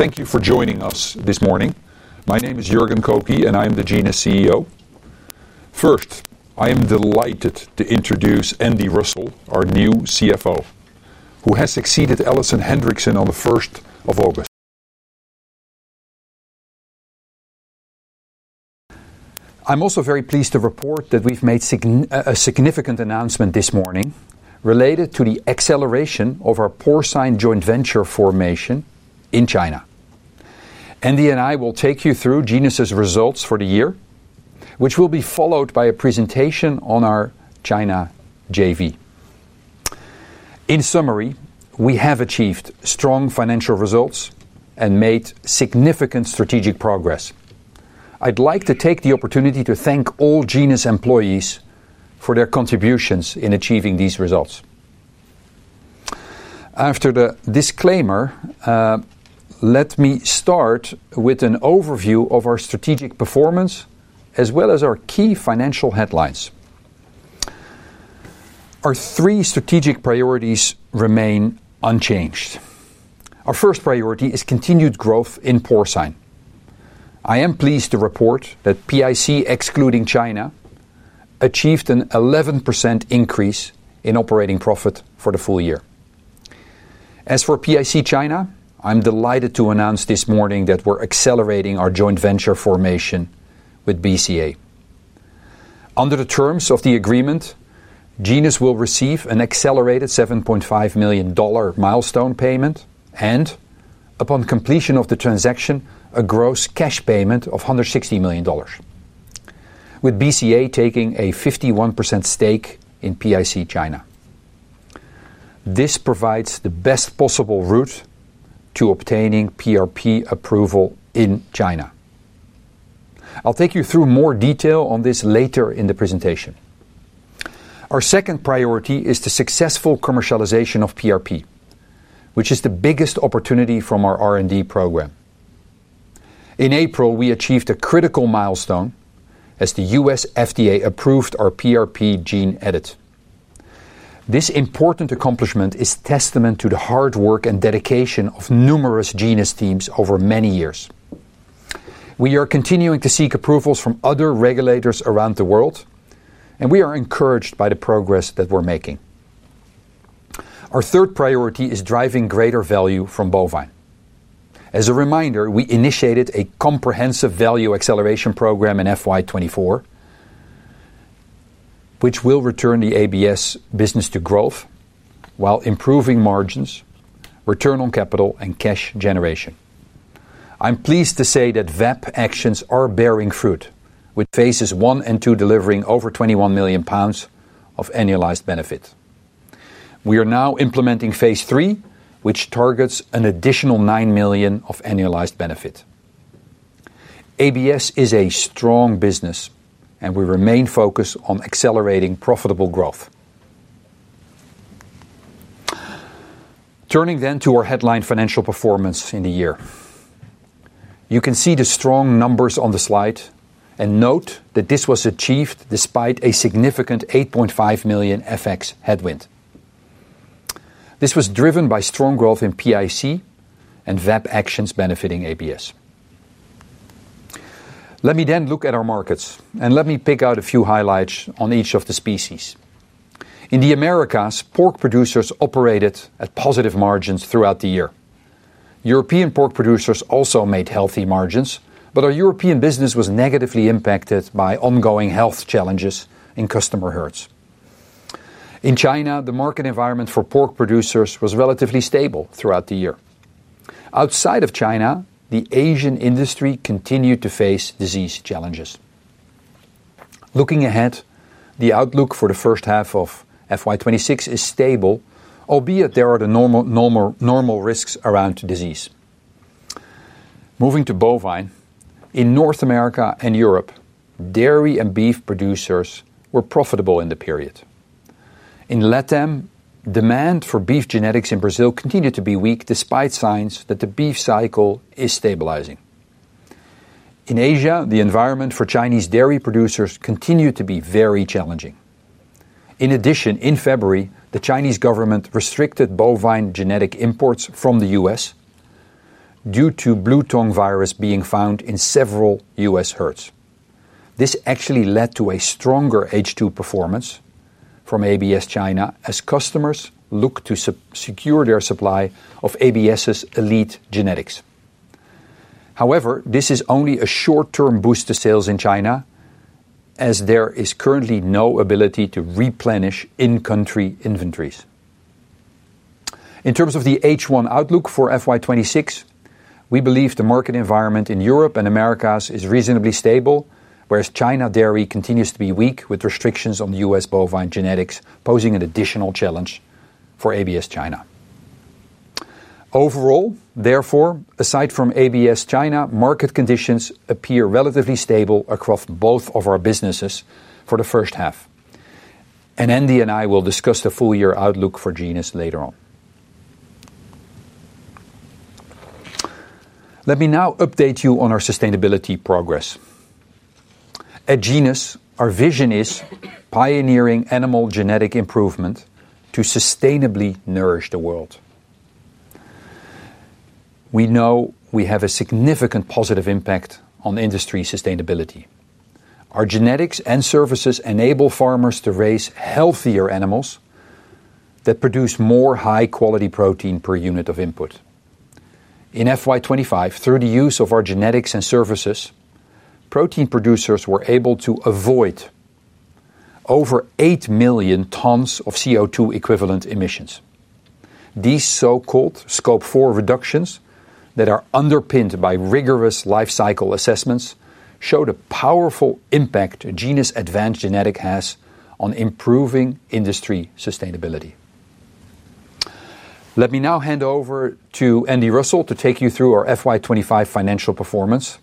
Thank you for joining us this morning. My name is Jurgen Kopi and I'm the Genius CEO. First, I am delighted to introduce Andy Russell, our new CFO, who has succeeded Alison Hendriksen on the August 1. I'm also very pleased to report that we've made a significant announcement this morning related to the acceleration of our Poresign joint venture formation in China. Andy and I will take you through Genius' results for the year, which will be followed by a presentation on our China JV. In summary, we have achieved strong financial results and made significant strategic progress. I'd like to take the opportunity to thank all Genius employees for their contributions in achieving these results. After the disclaimer, let me start with an overview of our strategic performance as well as our key financial headlines. Our three strategic priorities remain unchanged. Our first priority is continued growth in Poresign. I am pleased to report that PIC excluding China achieved an 11% increase in operating profit for the full year. As for PIC China, I'm delighted to announce this morning that we're accelerating our joint venture formation with BCA. Under the terms of the agreement, Genius will receive an accelerated $7,500,000 milestone payment and upon completion of the transaction, a gross cash payment of $160,000,000 with BCA taking a 51% stake in PIC China. This provides the best possible route to obtaining PRP approval in China. I'll take you through more detail on this later in the presentation. Our second priority is the successful commercialization of PRP, which is the biggest opportunity from our R and D program. In April, we achieved a critical milestone as the US FDA approved our PRP gene edit. This important accomplishment is testament to the hard work and dedication of numerous Genius teams over many years. We are continuing to seek approvals from other regulators around the world and we are encouraged by the progress that we're making. Our third priority is driving greater value from Bovine. As a reminder, we initiated a comprehensive value acceleration program in FY24, which will return the ABS business to growth, while improving margins, return on capital and cash generation. I am pleased to say that VAP actions are bearing fruit with phases one and two delivering over 21,000,000 of annualized benefit. We are now implementing phase three, which targets an additional 9,000,000 of annualized benefit. ABS is a strong business and we remain focused on accelerating profitable growth. Turning then to our headline financial performance in the year. You can see the strong numbers on the slide and note that this was achieved despite a significant 8,500,000.0 FX headwind. This was driven by strong growth in PIC and VAP actions benefiting ABS. Let me then look at our markets and let me pick out a few highlights on each of the species. In The Americas, pork producers operated at positive margins throughout the year. European pork producers also made healthy margins, but our European business was negatively impacted by ongoing health challenges in customer herds. In China, the market environment for pork producers was relatively stable throughout the year. Outside of China, the Asian industry continued to face disease challenges. Looking ahead, the outlook for the first half of FY twenty twenty six is stable, albeit there are the normal risks around disease. Moving to bovine, in North America and Europe dairy and beef producers were profitable in the period. In LatAm, demand for beef genetics in Brazil continued to be weak despite signs that the beef cycle is stabilizing. In Asia, the environment for Chinese dairy producers continue to be very challenging. In addition, in February, the Chinese government restricted bovine genetic imports from The US, due to Blue Tong virus being found in several US herds. This actually led to a stronger H2 performance from ABS China as customers look to secure their supply of ABS's Elite Genetics. However, this is only a short term boost to sales in China, as there is currently no ability to replenish in country inventories. In terms of the H1 outlook for FY 2026, we believe the market environment in Europe and Americas is reasonably stable, whereas China dairy continues to be weak with restrictions on The US bovine genetics posing an additional challenge for ABS China. Overall, therefore, aside from ABS China, market conditions appear relatively stable across both of our businesses for the first half. And Andy and I will discuss the full year outlook for Genius later on. Let me now update you on our sustainability progress. At GENUS, our vision is pioneering animal genetic improvement to sustainably nourish the world. We know we have a significant positive impact on industry sustainability. Our genetics and services enable farmers to raise healthier animals that produce more high quality protein per unit of input. In FY 2025, through the use of our genetics and services, protein producers were able to avoid over 8,000,000 tons of CO2 equivalent emissions. These so called Scope four reductions that are underpinned by rigorous life cycle assessments show the powerful impact Genius Advanced Genetic has on improving industry sustainability. Let me now hand over to Andy Russell to take you through our FY twenty twenty five financial performance.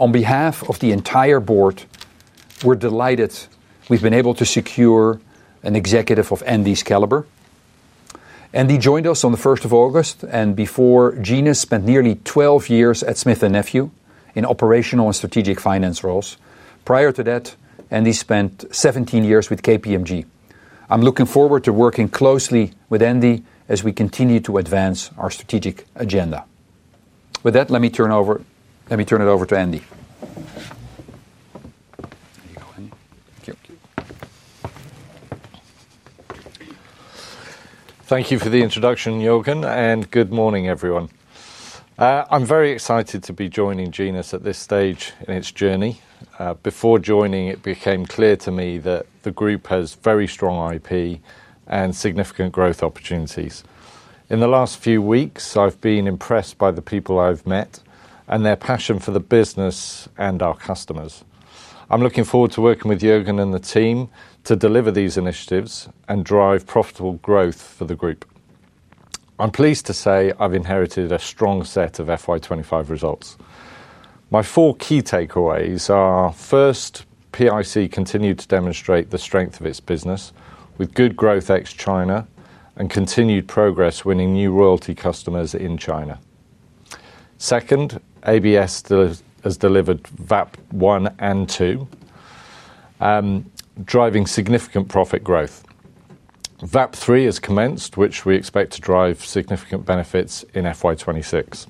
On behalf of the entire board, we're delighted we've been able to secure an executive of Andy's caliber. Andy joined us on the August 1 and before, Genius spent nearly twelve years at Smith and Nephew in operational and strategic finance roles. Prior to that, Andy spent seventeen years with KPMG. I'm looking forward to working closely with Andy as we continue to advance our strategic agenda. With that, let me turn it over to Andy. Thank you for the introduction, Joergen, and good morning, everyone. I'm very excited to be joining Genius at this stage in its journey. Before joining, it became clear to me that the group has very strong IP and significant growth opportunities. In the last few weeks, I've been impressed by the people I've met and their passion for the business and our customers. I'm looking forward to working with Jurgen and the team to deliver these initiatives and drive profitable growth for the group. I'm pleased to say I've inherited a strong set of FY 2025 results. My four key takeaways are: first, PIC continued to demonstrate the strength of its business with good growth ex China and continued progress winning new royalty customers in China Second, ABS has delivered VAP one and two, driving significant profit growth. VAP three has commenced, which we expect to drive significant benefits in FY 2026.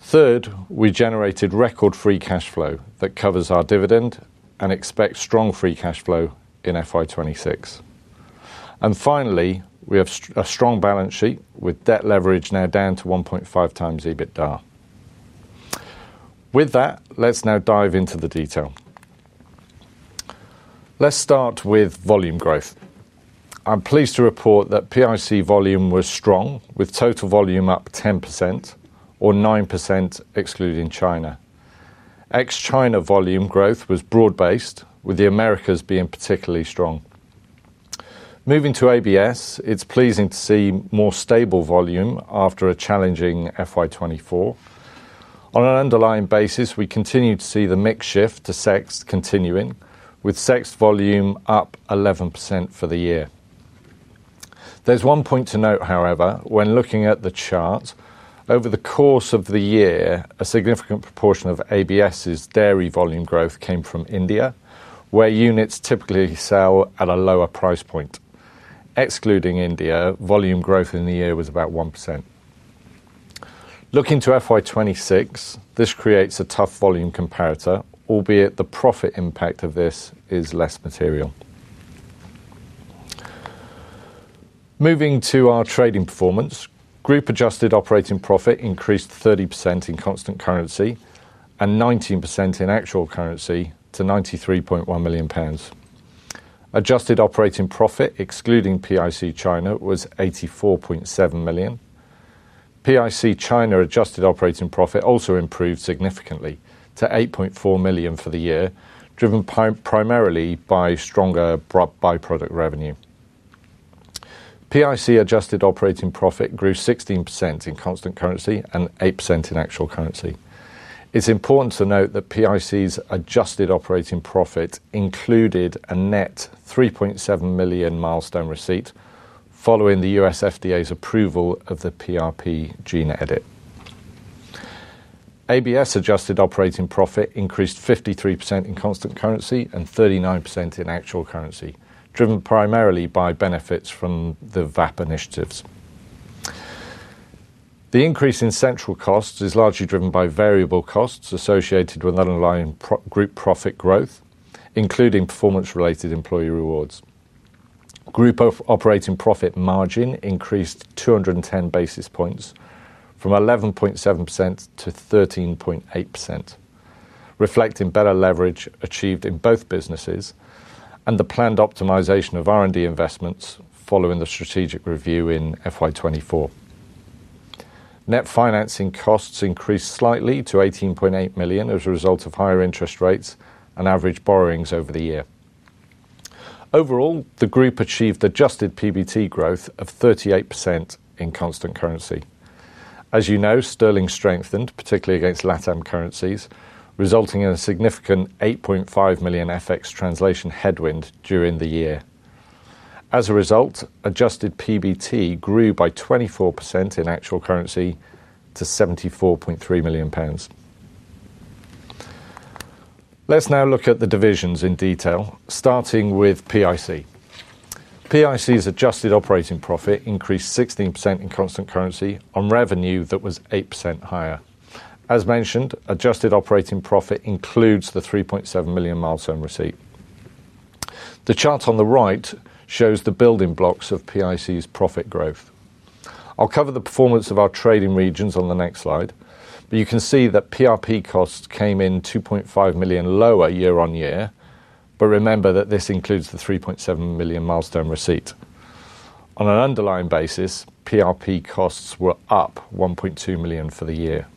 Third, we generated record free cash flow that covers our dividend and expect strong free cash flow in FY 2026. And finally, we have a strong balance sheet with debt leverage now down to 1.5 times EBITDA. With that, let's now dive into the detail. Let's start with volume growth. I'm pleased to report that PIC volume was strong with total volume up 10% or 9% excluding China. Ex China volume growth was broad based with The Americas being particularly strong. Moving to ABS, it's pleasing to see more stable volume after a challenging FY 'twenty four. On an underlying basis, we continue to see the mix shift to Sex continuing with Sex volume up 11% for the year. There's one point to note, however, when looking at the chart. Over the course of the year, a significant proportion of ABS' dairy volume growth came from India, where units typically sell at a lower price point. Excluding India, volume growth in the year was about 1%. Looking to FY 2026, this creates a tough volume comparator, albeit the profit impact of this is less material. Moving to our trading performance. Group adjusted operating profit increased 30% in constant currency and 19% in actual currency to £93,100,000 Adjusted operating profit excluding PIC China was £84,700,000 PIC China adjusted operating profit also improved significantly to 8,400,000.0 for the year, driven primarily by stronger by product revenue. PIC adjusted operating profit grew 16 in constant currency and 8% in actual currency. It's important to note that PIC's adjusted operating profit included a net £3,700,000 milestone receipt following the U. S. FDA's approval of the PRP gene edit. ABS adjusted operating profit increased 53% in constant currency and 39% in actual currency, driven primarily by benefits from the VAP initiatives. The increase in central costs is largely driven by variable costs associated with underlying group profit growth, including performance related employee rewards. Group operating profit margin increased two ten basis points from 11.7 to 13.8%, reflecting better leverage achieved in both businesses and the planned optimization of R and D investments following the strategic review in FY24. Net financing costs increased slightly to £18,800,000 as a result of higher interest rates and average borrowings over the year. Overall, the group achieved adjusted PBT growth of 38% in constant currency. As you know, sterling strengthened particularly against LatAm currencies, resulting in a significant £8,500,000 FX translation headwind during the year. As a result, adjusted PBT grew by 24 in actual currency to £74,300,000 Let's now look at the divisions in detail, starting with PIC. PIC's adjusted operating profit increased 16% in constant currency on revenue that was 8% higher. As mentioned, adjusted operating profit includes the £3,700,000 milestone receipt. The chart on the right shows the building blocks of PIC's profit growth. I'll cover the performance of our trading regions on the next slide. But you can see that PRP costs came in £2,500,000 lower year on year, but remember that this includes the £3,700,000 milestone receipt. On an underlying basis, PRP costs were up £1,200,000 for the year.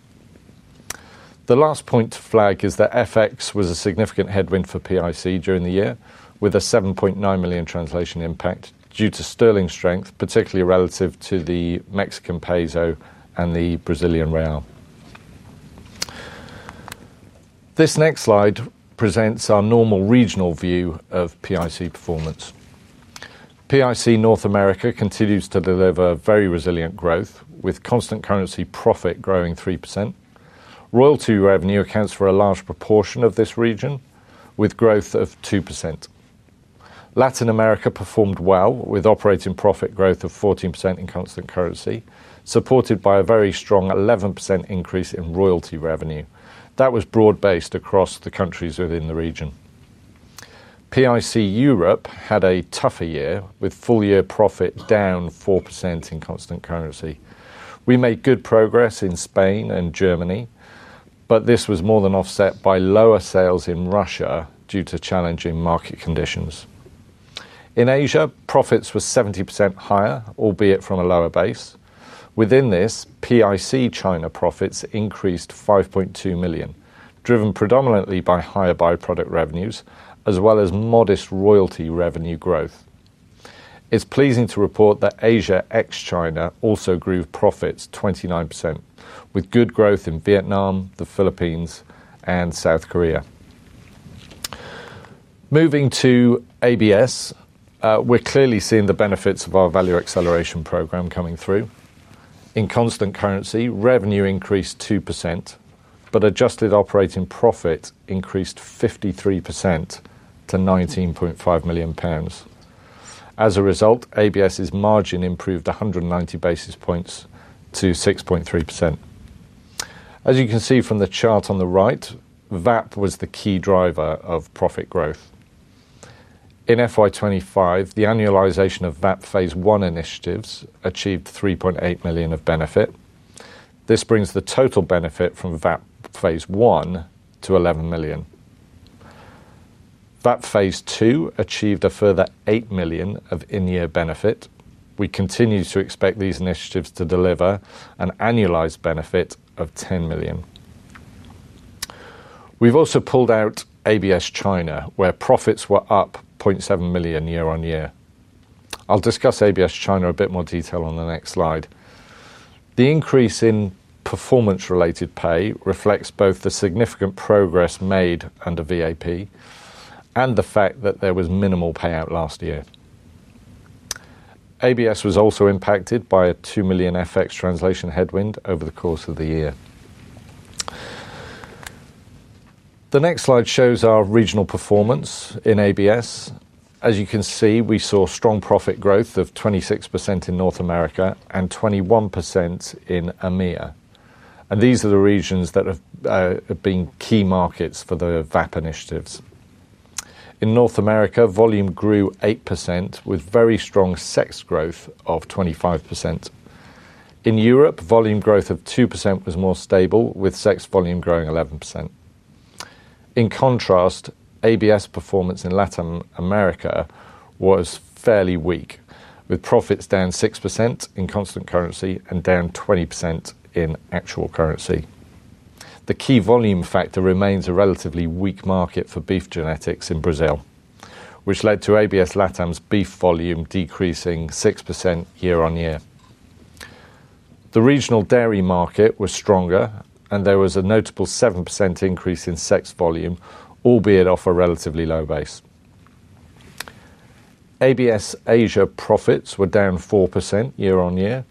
The last point to flag is that FX was a significant headwind for PIC during the year with a £7,900,000 translation impact due to sterling strength, particularly relative to the Mexican peso and the Brazilian real. This next slide presents our normal regional view of PIC performance. PIC North America continues to deliver very resilient growth with constant currency profit growing 3%. Royalty revenue accounts for a large proportion of this region with growth of 2%. Latin America performed well with operating profit growth of 14% in constant currency, supported by a very strong 11% increase in royalty revenue. That was broad based across the countries within the region. PIC Europe had a tougher year with full year profit down 4% in constant currency. We made good progress in Spain and Germany, but this was more than offset by lower sales in Russia due to challenging market conditions. In Asia, profits were 70% higher, albeit from a lower base. Within this, PIC China profits increased £5,200,000 driven predominantly by higher by product revenues as well as modest royalty revenue growth. It's pleasing to report that Asia ex China also grew profits 29% with good growth in Vietnam, The Philippines and South Korea. Moving to ABS. We're clearly seeing the benefits of our Value Acceleration Program coming through. In constant currency, revenue increased 2%, but adjusted operating profit increased 53% to £19,500,000 As a result, ABS' margin improved 190 basis points to 6.3%. As you can see from the chart on the right, VAP was the key driver of profit growth. In FY 2025, the annualization of VAP Phase one initiatives achieved £3,800,000 of benefit. This brings the total benefit from VAP Phase one to 11,000,000 VAP Phase two achieved a further 8,000,000 of in year benefit. We continue to expect these initiatives to deliver an annualized benefit of 10,000,000. We've also pulled out ABS China where profits were up £700,000 year on year. I'll discuss ABS China a bit more detail on the next slide. The increase in performance related pay reflects both the significant progress made under VAP and the fact that there was minimal payout last year. ABS was also impacted by a £2,000,000 FX translation headwind over the course of the year. The next slide shows our regional performance in ABS. As you can see, we saw strong profit growth of 26% in North America and 21% in EMEA. And these are the regions that been key markets for the VAP initiatives. In North America, volume grew 8% with very strong sex growth of 25%. In Europe, volume growth of 2% was more stable with sex volume growing 11%. In contrast, ABS performance in Latin America was fairly weak with profits down 6% in constant currency and down 20% in actual currency. The key volume factor remains a relatively weak market for beef genetics in Brazil, which led to ABS Latam's beef volume decreasing 6% year on year. The regional dairy market was stronger and there was a notable 7% increase in sex volume, albeit off a relatively low base. ABS Asia profits were down 4% year on year,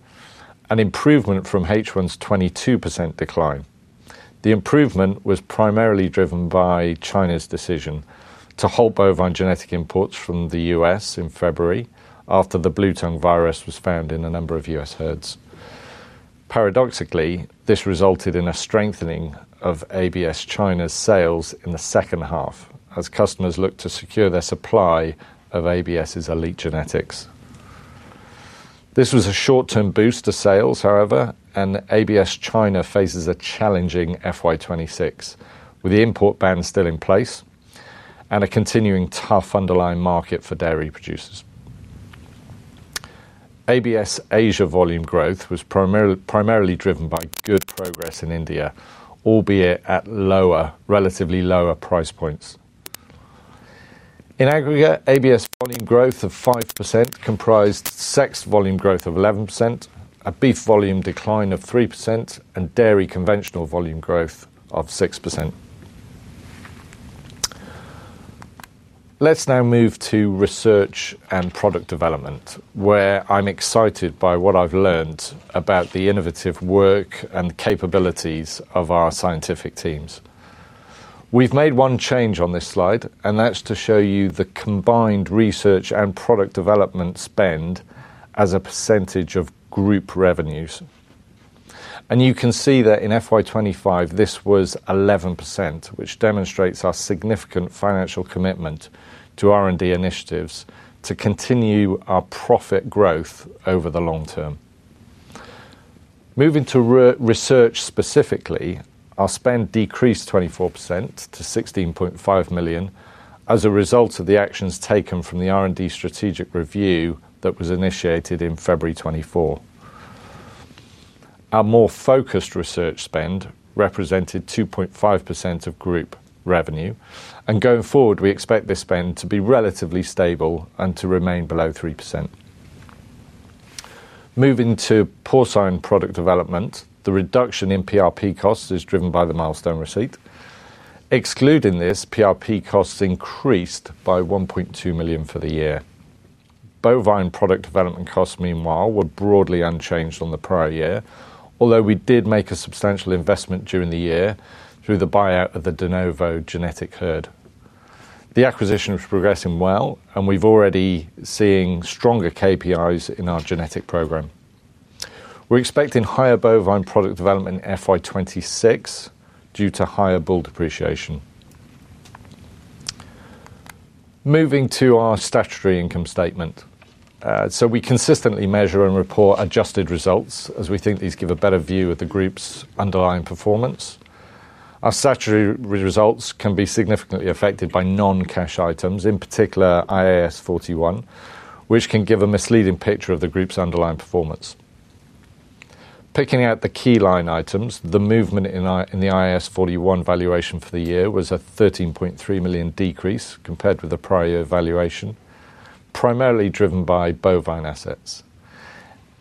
an improvement from H1's 22% decline. The improvement was primarily driven by China's decision to halt bovine genetic imports from The U. S. In February after the blue tongue virus was found in a number of U. S. Herds. Paradoxically, this resulted in a strengthening of ABS China's sales in the second half as customers look to secure their supply of ABS's Elite Genetics. This was a short term boost to sales, however, and ABS China faces a challenging FY 2026 with the import ban still in place and a continuing tough underlying market for dairy producers. ABS Asia volume growth was primarily driven by good progress in India, albeit at lower relatively lower price points. In aggregate, ABS volume growth of 5% comprised sex volume growth of 11%, a Beef volume decline of 3% and Dairy Conventional volume growth of 6%. Let's now move to Research and Product Development, where I'm excited by what I've learned about the innovative work and capabilities of our scientific teams. We've made one change on this slide and that's to show you the combined research and product development spend as a percentage of group revenues. And you can see that in FY 2025, this was 11%, which demonstrates our significant financial commitment to R and D initiatives to continue our profit growth over the long term. Moving to research specifically, our spend decreased 24 to £16,500,000 as a result of the actions taken from the R and D strategic review that was initiated in February 24. Our more focused research spend represented 2.5% of group revenue. And going forward, we expect this spend to be relatively stable and to remain below 3%. Moving to Porcine product development. The reduction in PRP costs is driven by the milestone receipt. Excluding this, PRP costs increased by £1,200,000 for the year. Bovine product development costs, meanwhile, were broadly unchanged from the prior year, although we did make a substantial investment during the year through the buyout of the de novo genetic herd. The acquisition is progressing well, and we've already seeing stronger KPIs in our genetic program. We're expecting higher bovine product development in FY 2026 due to higher bull depreciation. Moving to our statutory income statement. So we consistently measure and report adjusted results as we think these give a better view of the group's underlying performance. Our statutory results can be significantly affected by noncash items, in particular, IAS 41, which can give a misleading picture of the group's underlying performance. Picking out the key line items, the movement in the IAS 41 valuation for the year was a £13,300,000 decrease compared with the prior year valuation, primarily driven by bovine assets.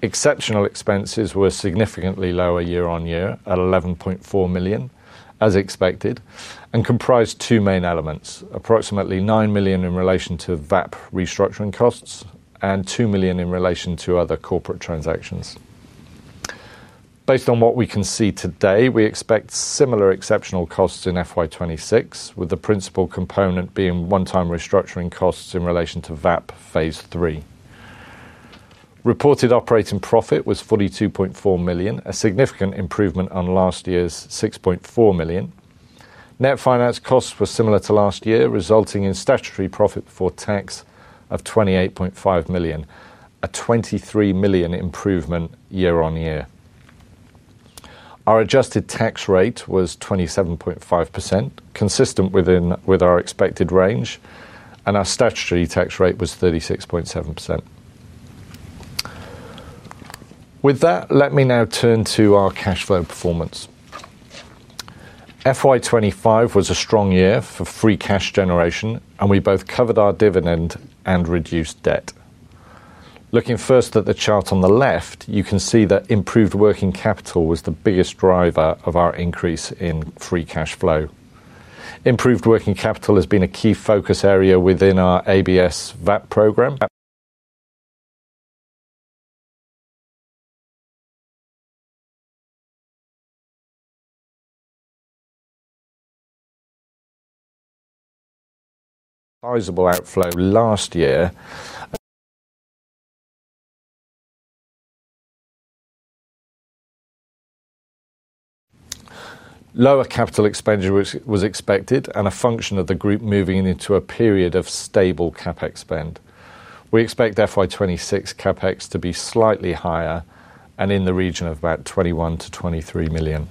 Exceptional expenses were significantly lower year on year at 11,400,000 as expected and comprised two main elements, approximately £9,000,000 in relation to VAP restructuring costs and £2,000,000 in relation to other corporate transactions. Based on what we can see today, we expect similar exceptional costs in FY 2026 with the principal component being onetime restructuring costs in relation to VAP Phase three. Reported operating profit was £42,400,000 a significant improvement on last year's £6,400,000 Net finance costs were similar to last year, resulting in statutory profit before tax of £28,500,000 a £23,000,000 improvement year on year. Our adjusted tax rate was 27.5%, consistent within with our expected range, And our statutory tax rate was 36.7%. With that, let me now turn to our cash flow performance. FY 2025 was a strong year for free cash generation, and we both covered our dividend and reduced debt. Looking first at the chart on the left, you can see that improved working capital was the biggest driver of our increase in free cash flow. Improved working capital has been a key focus area within our ABS VAT program. Sizable outflow last year. Lower capital expenditure was expected and a function of the group moving into a period of stable CapEx spend. We expect FY 2026 CapEx to be slightly higher and in the region of about 21,000,000 to 23,000,000.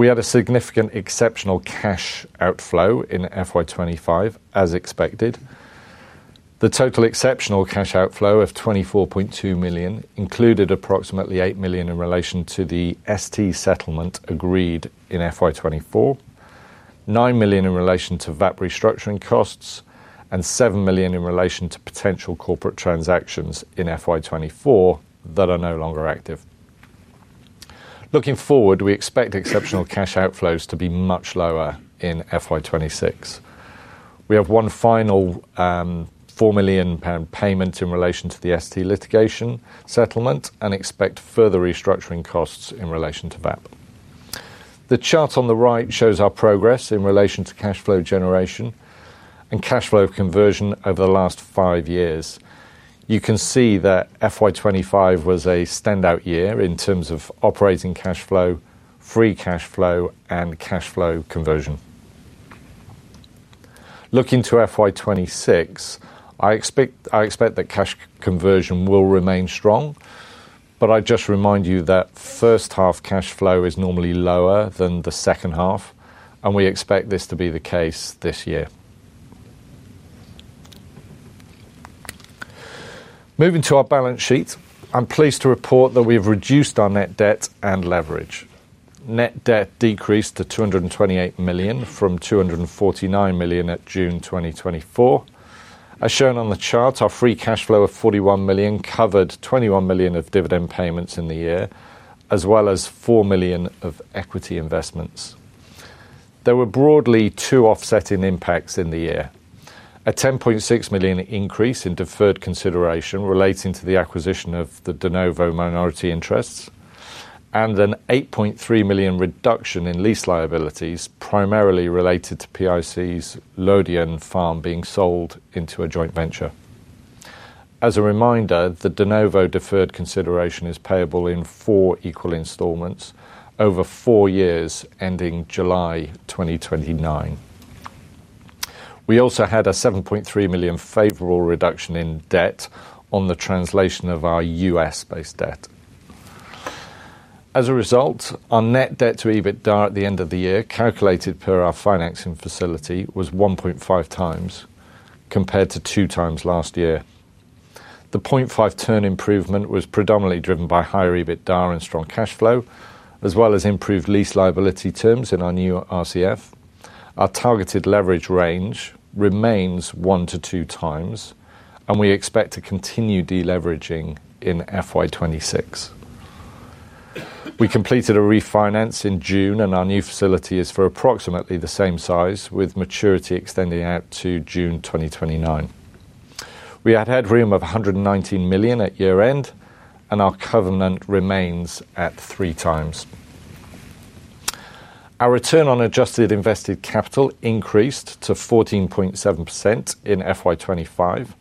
We had a significant exceptional cash outflow in FY twenty twenty five as expected. The total exceptional cash out outflow of 24,200,000.0 included approximately 8,000,000 in relation to the ST settlement agreed in FY 2024, 9,000,000 in relation to VAP restructuring costs and £7,000,000 in relation to potential corporate transactions in FY 2024 that are no longer active. Looking forward, we expect exceptional cash outflows to be much lower in FY 2026. We have one final £4,000,000 payment in relation to the ST litigation settlement and expect further restructuring costs in relation to VAP. The chart on the right shows our progress in relation to cash flow generation and cash flow conversion over the last five years. You can see that FY 2025 was a standout year in terms of operating cash flow, free cash flow and cash flow conversion. Looking to FY 2026, I expect that cash conversion will remain strong, but I'd just remind you that first half cash flow is normally lower than the second half, and we expect this to be the case this year. Moving to our balance sheet. I'm pleased to report that we have reduced our net debt and leverage. Net debt decreased to £228,000,000 from £249,000,000 at June 2024. As shown on the chart, our free cash flow of £41,000,000 covered £21,000,000 of dividend payments in the year as well as £4,000,000 of equity investments. There were broadly two offsetting impacts in the year, a £10,600,000 increase in deferred consideration relating to the acquisition of the de novo minority interests and an £8,300,000 reduction in lease liabilities, primarily related to PIC's Lodion farm being sold into a joint venture. As a reminder, the de novo deferred consideration is payable in four equal installments over four years ending July 2029. We also had a £7,300,000 favorable reduction in debt on the translation of our U. S.-based debt. As a result, our net debt to EBITDA at the end of the year calculated per our financing facility was 1.5 times compared to two times last year. The 0.5 turn improvement was predominantly driven by higher EBITDA and strong cash flow as well as improved lease liability terms in our new RCF. Our targeted leverage range remains one to two times and we expect to continue deleveraging in FY 2026. We completed a refinance in June and our new facility is for approximately the same size with maturity extending out to June 2029. We had had room of £119,000,000 at year end and our covenant remains at three times. Our return on adjusted invested capital increased to 14.7% in FY 2025,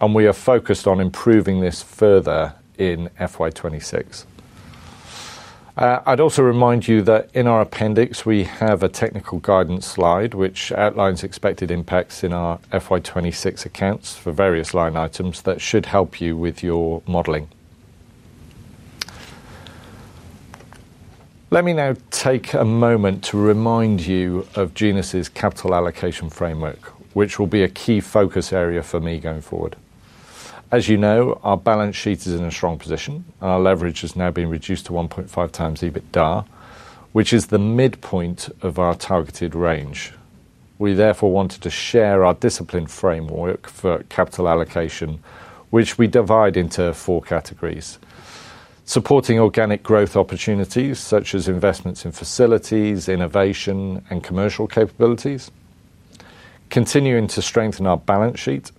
and we are focused on improving this further in FY 2026. I'd also remind you that in our appendix, we have a technical guidance slide, which outlines expected impacts in our FY 2026 accounts for various line items that should help you with your modeling. Let me now take a moment to remind you of Genius' capital allocation framework, which will be a key focus area for me going forward. As you know, our balance sheet is in a strong position. Our leverage has now been reduced to 1.5 times EBITDA, which is the midpoint of our targeted range. We therefore wanted to share our disciplined framework for capital allocation, which we divide into four categories: supporting organic growth opportunities such as investments in facilities, innovation and commercial capabilities continuing to strengthen our balance sheet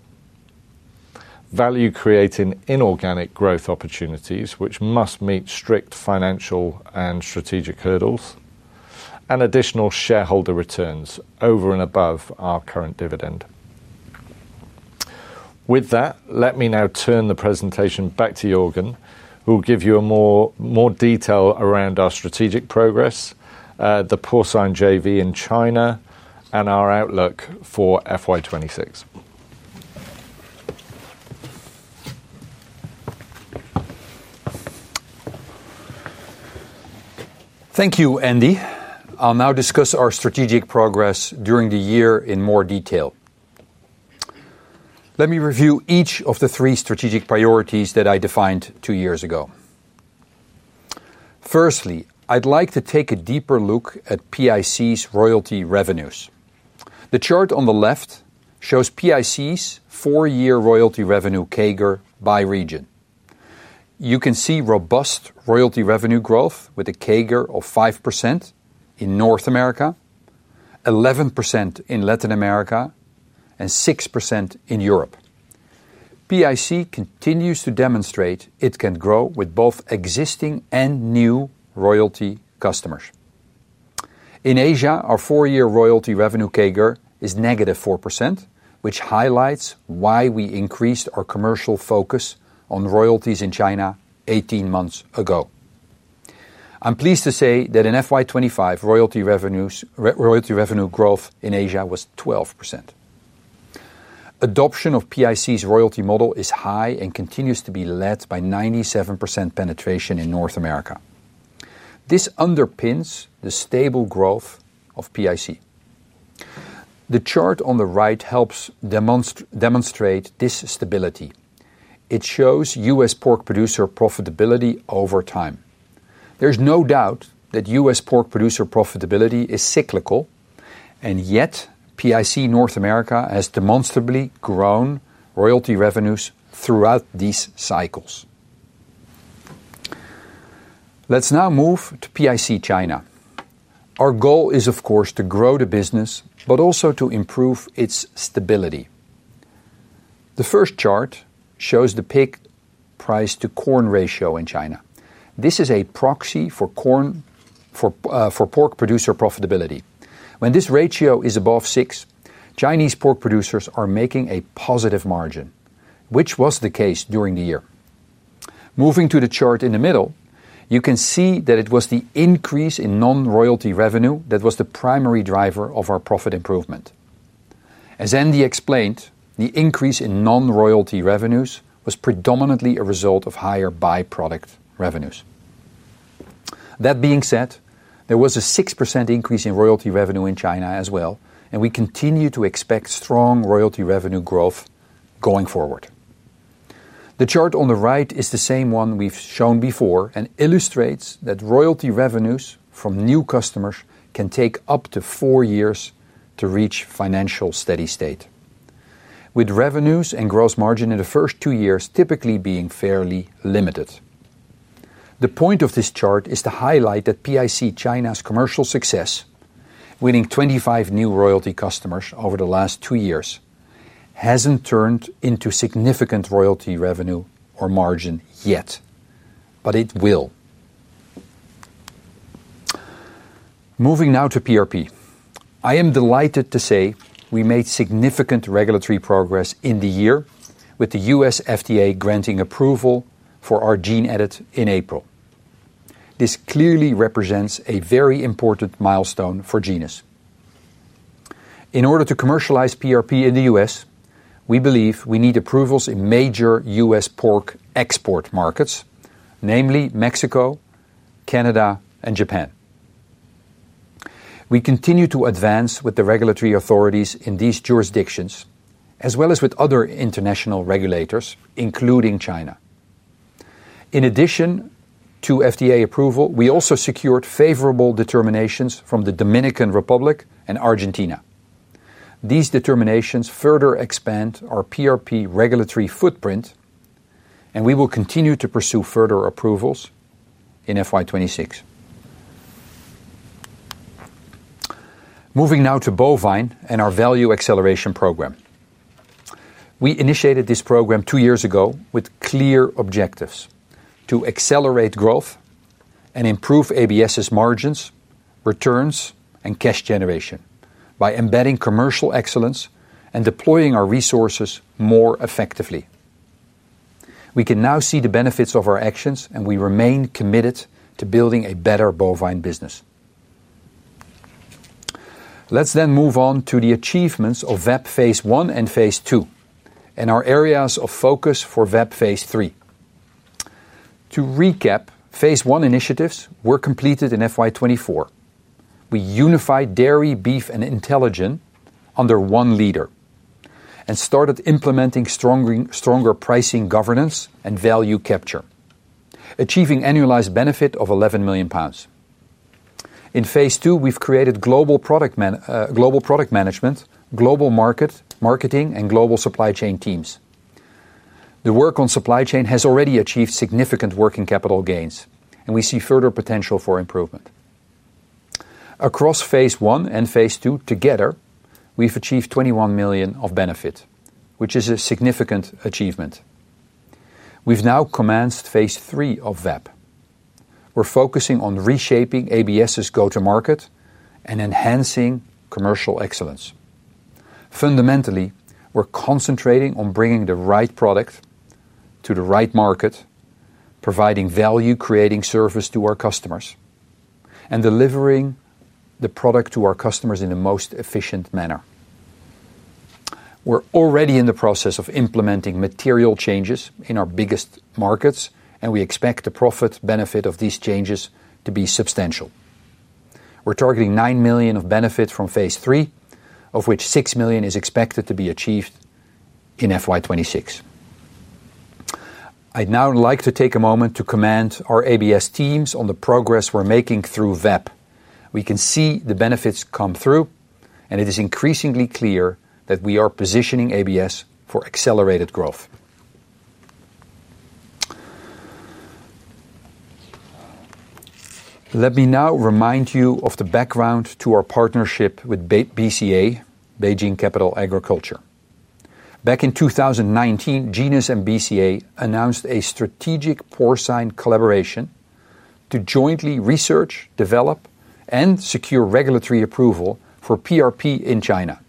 value creating inorganic growth opportunities, which must meet strict financial and strategic hurdles and additional shareholder returns over and above our current dividend. With that, let me now turn the presentation back to Jorgen, who will give you a more detail around our strategic progress, the Porzingen JV in China and our outlook for FY 2026. Thank you, Andy. I'll now discuss our strategic progress during the year in more detail. Let me review each of the three strategic priorities that I defined two years ago. Firstly, I'd like to take a deeper look at PIC's royalty revenues. The chart on the left shows PIC's four year royalty revenue CAGR by region. You can see robust royalty revenue growth with a CAGR of 5% in North America, 11% in Latin America and 6% in Europe. PIC continues to demonstrate it can grow with both existing and new royalty customers. In Asia, our four year royalty revenue CAGR is negative 4%, which highlights why we increased our commercial focus on royalties in China eighteen months ago. I'm pleased to say that in FY twenty twenty five royalty revenues growth in Asia was 12%. Adoption of PIC's royalty model is high and continues to be led by 97% penetration in North America. This underpins the stable growth of PIC. The chart on the right helps demonstrate this stability. It shows US pork producer profitability over time. There's no doubt that US pork producer profitability is cyclical and yet PIC North America has demonstrably grown royalty revenues throughout these cycles. Let's now move to PIC China. Our goal is of course to grow the business, but also to improve its stability. The first chart shows the PIC price to corn ratio in China. This is a proxy for corn for pork producer profitability. When this ratio is above six, Chinese pork producers are making a positive margin, which was the case during the year. Moving to the chart in the middle, you can see that it was the increase in non royalty revenue that was the primary driver of our profit improvement. As Andy explained, the increase in non royalty revenues was predominantly a result of higher by product revenues. That being said, there was a 6% increase in royalty revenue in China as well and we continue to expect strong royalty revenue growth going forward. The chart on the right is the same one we've shown before and illustrates that royalty revenues from new customers can take up to four years to reach financial steady state. With revenues and gross margin in the first two years typically being fairly limited. The point of this chart is to highlight that PIC China's commercial success, winning 25 new royalty customers over the last two years, hasn't turned into significant royalty revenue or margin yet, but it will. Moving now to PRP, I am delighted to say we made significant regulatory progress in the year with the US FDA granting approval for our gene edit in April. This clearly represents a very important milestone for Genus. In order to commercialize PRP in The US, we believe we need approvals in major US pork export markets, namely Mexico, Canada and Japan. We continue to advance with the regulatory authorities in these jurisdictions, as well as with other international regulators, including China. In addition to FDA approval, we also secured favorable determinations from The Dominican Republic and Argentina. These determinations further expand our PRP regulatory footprint and we will continue to pursue further approvals in FY 2026. Moving now to Bovine and our Value Acceleration Program. We initiated this program two years ago with clear objectives to accelerate growth and improve ABS' margins, returns and cash generation by embedding commercial excellence and deploying our resources more effectively. We can now see the benefits of our actions and we remain committed to building a better bovine business. Let's then move on to the achievements of VEP phase one and phase two, and our areas of focus for VEP phase three. To recap, phase one initiatives were completed in FY24. We unified dairy, beef and intelligent under one leader and started implementing stronger pricing governance and value capture, achieving annualized benefit of £11,000,000. In phase two, we've created global product management, global market, marketing and global supply chain teams. The work on supply chain has already achieved significant working capital gains and we see further potential for improvement. Across phase one and phase two together, we've achieved 21,000,000 of benefit, which is a significant achievement. We've now commenced phase three of VAP. We're focusing on reshaping ABS' go to market and enhancing commercial excellence. Fundamentally, we're concentrating on bringing the right product to the right market, providing value creating service to our customers and delivering the product to our customers in the most efficient manner. We're already in the process of implementing material changes in our biggest markets and we expect the profit benefit of these changes to be substantial. We're targeting 9,000,000 of benefits from phase three, of which 6,000,000 is expected to be achieved in FY twenty six. I'd now like to take a moment to commend our ABS teams on the progress we're making through VEP. We can see the benefits come through and it is increasingly clear that we are positioning ABS for accelerated growth. Let me now remind you of the background to our partnership with BCA, Beijing Capital Agriculture. Back in 2019, Genius and BCA announced a strategic porcine collaboration to jointly research, develop and secure regulatory approval for PRP in China.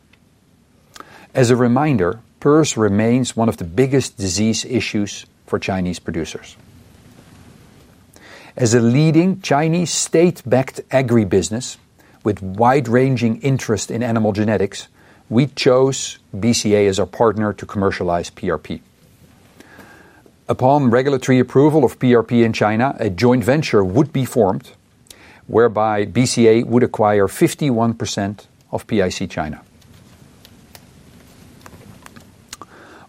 As a reminder, PRRS remains one of the biggest disease issues for Chinese producers. As a leading Chinese state backed agribusiness with wide ranging interest in animal genetics, we chose BCA as our partner to commercialize PRP. Upon regulatory approval of PRP in China, a joint venture would be formed whereby BCA would acquire 51% of PIC China.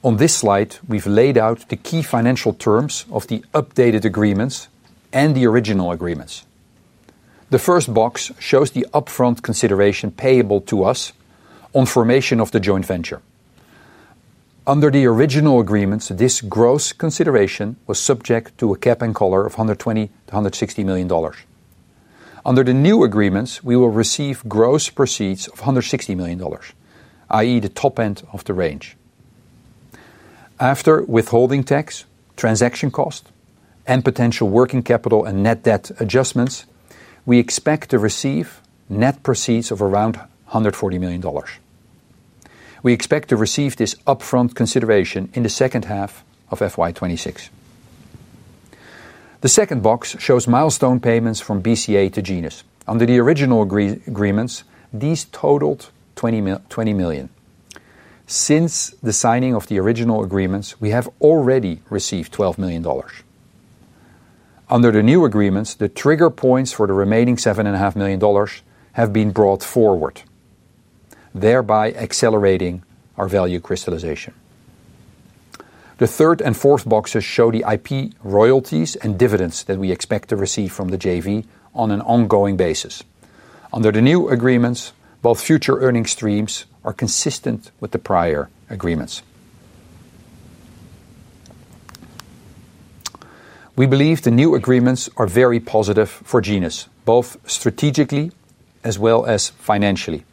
On this slide, we've laid out the key financial terms of the updated agreements and the original agreements. The first box shows the upfront consideration payable to us on formation of the joint venture. Under the original agreements, this gross consideration was subject to a cap and color of $120,000,000 to $160,000,000 Under the new agreements, we will receive gross proceeds of $160,000,000 I. E. The top end of the range. After withholding tax, transaction costs and potential working capital and net debt adjustments, we expect to receive net proceeds of around $140,000,000 expect to receive this upfront consideration in the second half of FY 2026. The second box shows milestone payments from BCA to Genius. Under the original agreements, these totaled million. Since the signing of the original agreements, we have already received $12,000,000 Under the new agreements, the trigger points for the remaining $7,500,000 have been brought forward, thereby accelerating our value crystallization. The third and fourth boxes show the IP royalties and dividends that we expect to receive from the JV on an ongoing basis. Under the new agreements, both future earnings streams are consistent with the prior agreements. We believe the new agreements are very positive for Genius, both strategically, as well as financially.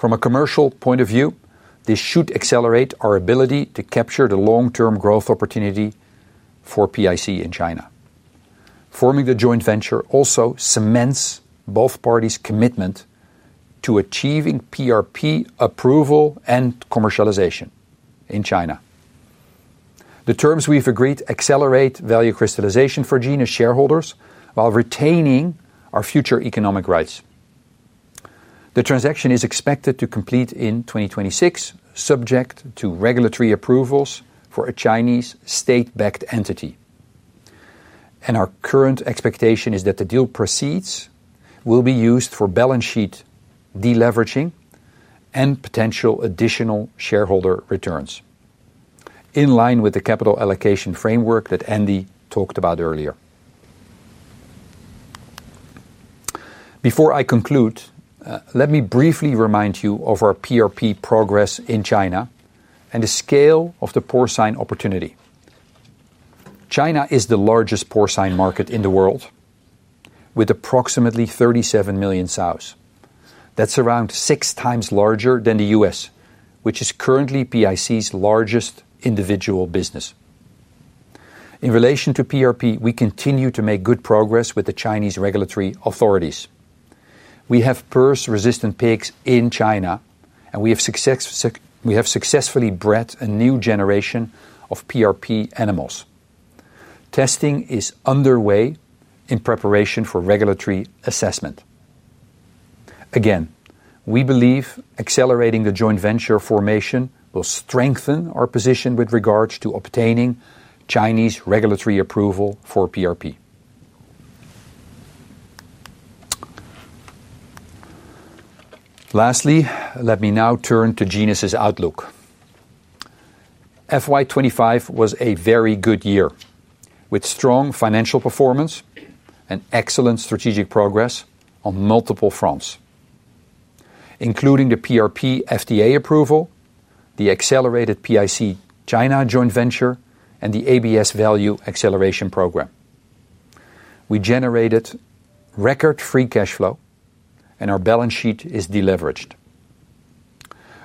From a commercial point of view, this should accelerate our ability to capture the long term growth opportunity for PIC in China. Forming the joint venture also cements both parties commitment to achieving PRP approval and commercialization in China. The terms we've agreed accelerate value crystallization for Genius shareholders, while retaining our future economic rights. The transaction is expected to complete in 2026, subject to regulatory approvals for a Chinese state backed entity. And our current expectation is that the deal proceeds will be used for balance sheet deleveraging and potential additional shareholder returns, in line with the capital allocation framework that Andy talked about earlier. Before I conclude, let me briefly remind you of our PRP progress in China and the scale of the porcine opportunity. China is the largest porcine market in the world, with approximately 37,000,000 sows. That's around six times larger than The US, which is currently PIC's largest individual business. In relation to PRP, we continue to make good progress with the Chinese regulatory authorities. We have PRRS resistant pigs in China and we have successfully bred a new generation of PRP animals. Testing is underway in preparation for regulatory assessment. Again, we believe accelerating the joint venture formation will strengthen our position with regards to obtaining Chinese regulatory approval for PRP. Lastly, let me now turn to Genius' outlook. FY 2025 was a very good year with strong financial performance and excellent strategic progress on multiple fronts, including the PRP FDA approval, the accelerated PIC China joint venture and the ABS Value Acceleration Program. We generated record free cash flow and our balance sheet is deleveraged.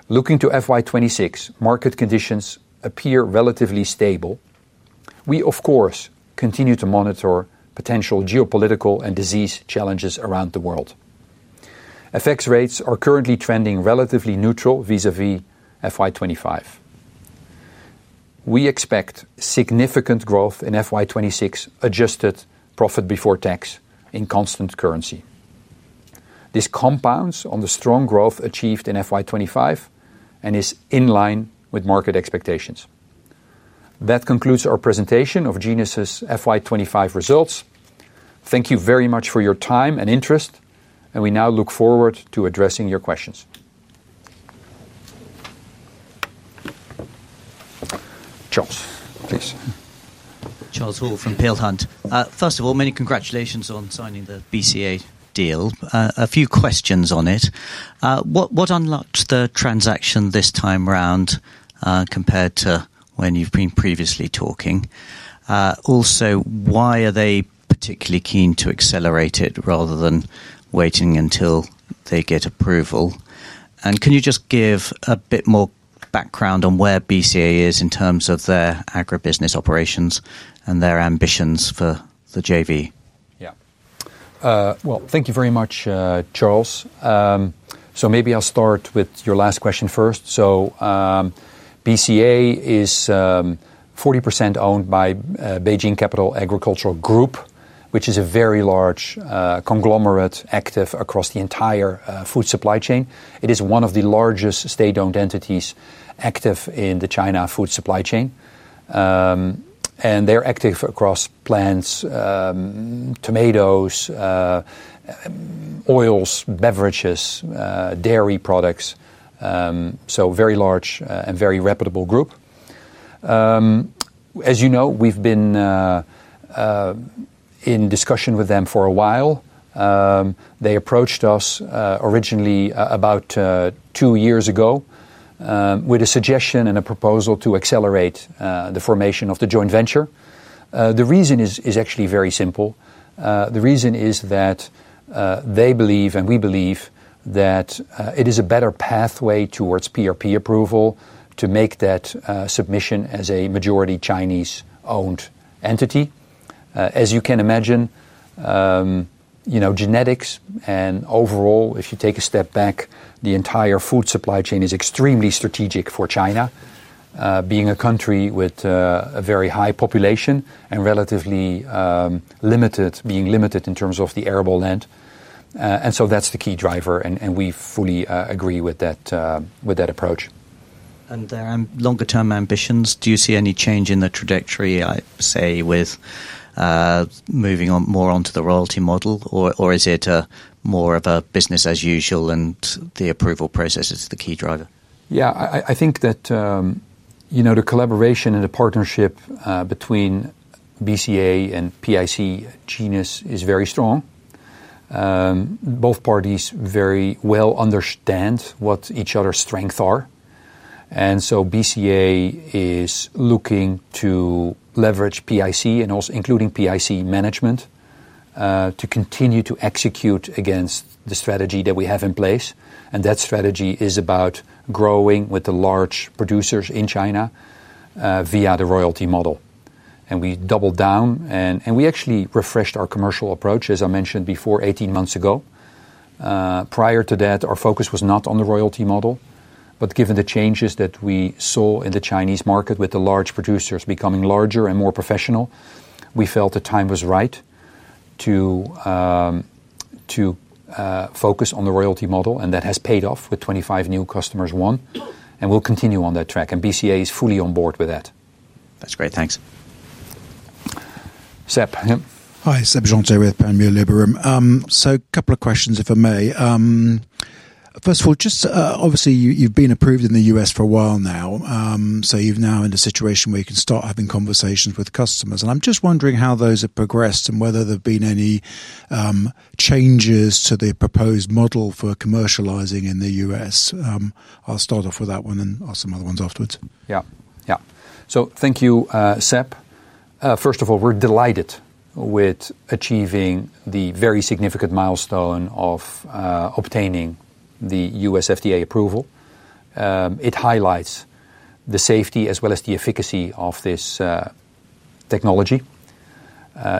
Looking to FY 2026, market conditions appear relatively stable. We, of course, continue to monitor potential geopolitical and disease challenges around the world. FX rates are currently trending relatively neutral vis a vis FY '25. We expect significant growth in FY 'twenty six adjusted profit before tax in constant currency. This compounds on the strong growth achieved in FY 'twenty five and is in line with market expectations. That concludes our presentation of Genius' FY 'twenty five results. Thank you very much for your time and interest. And we now look forward to addressing your questions. Charles Hall from Peel Hunt. First of all, many congratulations on signing the BCA deal. A few questions on it. What unlocked the transaction this time around compared to when you've been previously talking? Also, why are they particularly keen to accelerate it rather than waiting until they get approval? And can you just give a bit more background on where BCA is in terms of their agribusiness operations and their ambitions for the JV? Yes. Well, thank you very much, Charles. So maybe I'll start with your last question first. So BCA is 40% owned by Beijing Capital Agricultural Group, which is a very large conglomerate active across the entire food supply chain. It is one of the largest state owned entities active in the China food supply chain. And they're active across plants, tomatoes, oils, beverages, dairy products, so very large and very reputable group. As you know, we've been in discussion with them for a while. They approached us originally about two years ago with a suggestion and a proposal to accelerate the formation of the joint venture. The reason is actually very simple. The reason is that they believe and we believe that it is a better pathway towards PRP approval to make that submission as a majority Chinese owned entity. As you can imagine, you know, genetics and overall, if you take a step back, the entire food supply chain is extremely strategic for China. Being a country with a very high population and relatively limited being limited in terms of the arable land. And so that's the key driver and we fully agree with that approach. And longer term ambitions, do you see any change in the trajectory, I'd say, with moving more on to the royalty model? Is it more of a business as usual and the approval process is the key driver? Yeah. I think that, you know, the collaboration and the partnership between BCA and PICGenius is very strong. Both parties very well understand what each other's strengths are. And so BCA is looking to leverage PIC and also including PIC management to continue to execute against the strategy that we have in place. And that strategy is about growing with the large producers in China via the royalty model. And we doubled down and we actually refreshed our commercial approach as I mentioned before eighteen months ago. Prior to that, our focus was not on the royalty model, But given the changes that we saw in the Chinese market with the large producers becoming larger and more professional, we felt the time was right to focus on the royalty model and that has paid off with 25 new customers won. And we'll continue on that track. And BCA is fully on board with that. That's great. Thanks. Seb. Hi, Seb Jean Toure with Panmure Liberum. So a couple of questions if I may. First of all, just obviously, you've been approved in The U. S. For a while now. So you've now in a situation where you can start having conversations with customers. And I'm just wondering how those have progressed and whether there have been any changes to the proposed model for commercializing in The U. S. I'll start off with that one and ask some other ones afterwards. Yeah. Yeah. So thank you, Sep. First of all, we're delighted with achieving the very significant milestone of obtaining the US FDA approval. It highlights the safety as well as the efficacy of this technology.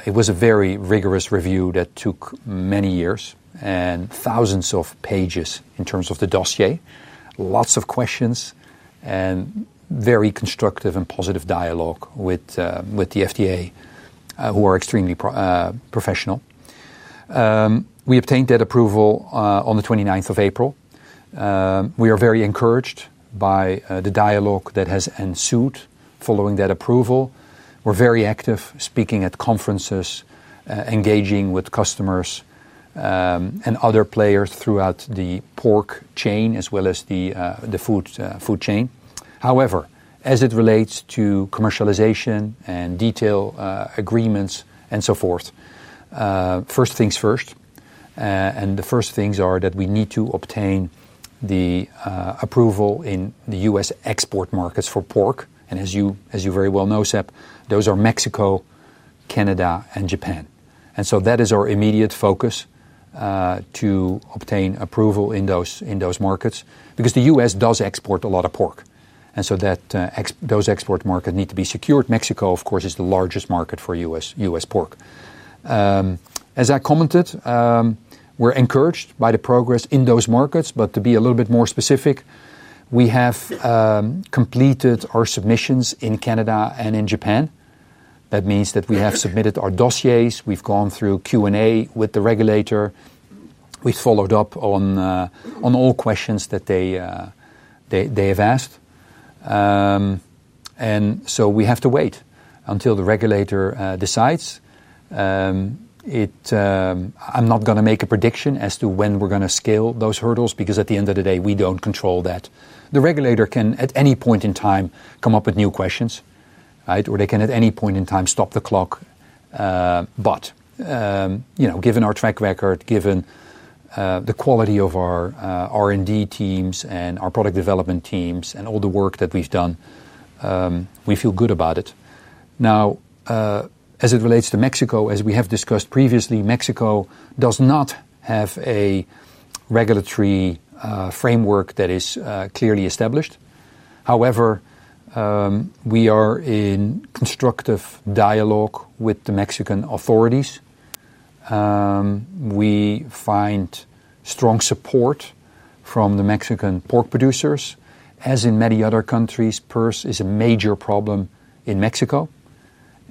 It was a very rigorous review that took many years and thousands of pages in terms of the dossier. Lots of questions and very constructive and positive dialogue with the FDA who are extremely professional. We obtained that approval on the April 29. We are very encouraged by the dialogue that has ensued following that approval. We're very active speaking at conferences, engaging with customers and other players throughout the pork chain as well as food chain. However, as it relates to commercialization and detail agreements and so forth. First things first, and the first things are that we need to obtain the approval in The US export markets for pork. And as you very well know, Sap, those are Mexico, Canada, and Japan. And so that is our immediate focus to obtain approval in those in those markets because The US does export a lot of pork. And so that ex those export market need to be secured. Mexico, of course, is the largest market for US pork. As I commented, we're encouraged by the progress in those markets, but to be a little bit more specific, we have completed our submissions in Canada and in Japan. That means that we have submitted our dossiers, we've gone through Q and A with the regulator, we followed up on all questions that they have asked. And so we have to wait until the regulator decides. It I'm not gonna make a prediction as to when we're gonna scale those hurdles because at the end of the day we don't control that. The regulator can, at any point in time, come up with new questions, right, or they can at any point in time stop the clock. But, you know, given our track record, given the quality of our R and D teams and our product development teams and all the work that we've done, we feel good about it. Now, as it relates to Mexico, as we have discussed previously, Mexico does not have a regulatory framework that is clearly established. However, we are in constructive dialogue with the Mexican authorities. We find strong support from the Mexican pork producers. As in many other countries, PRRS is a major problem in Mexico,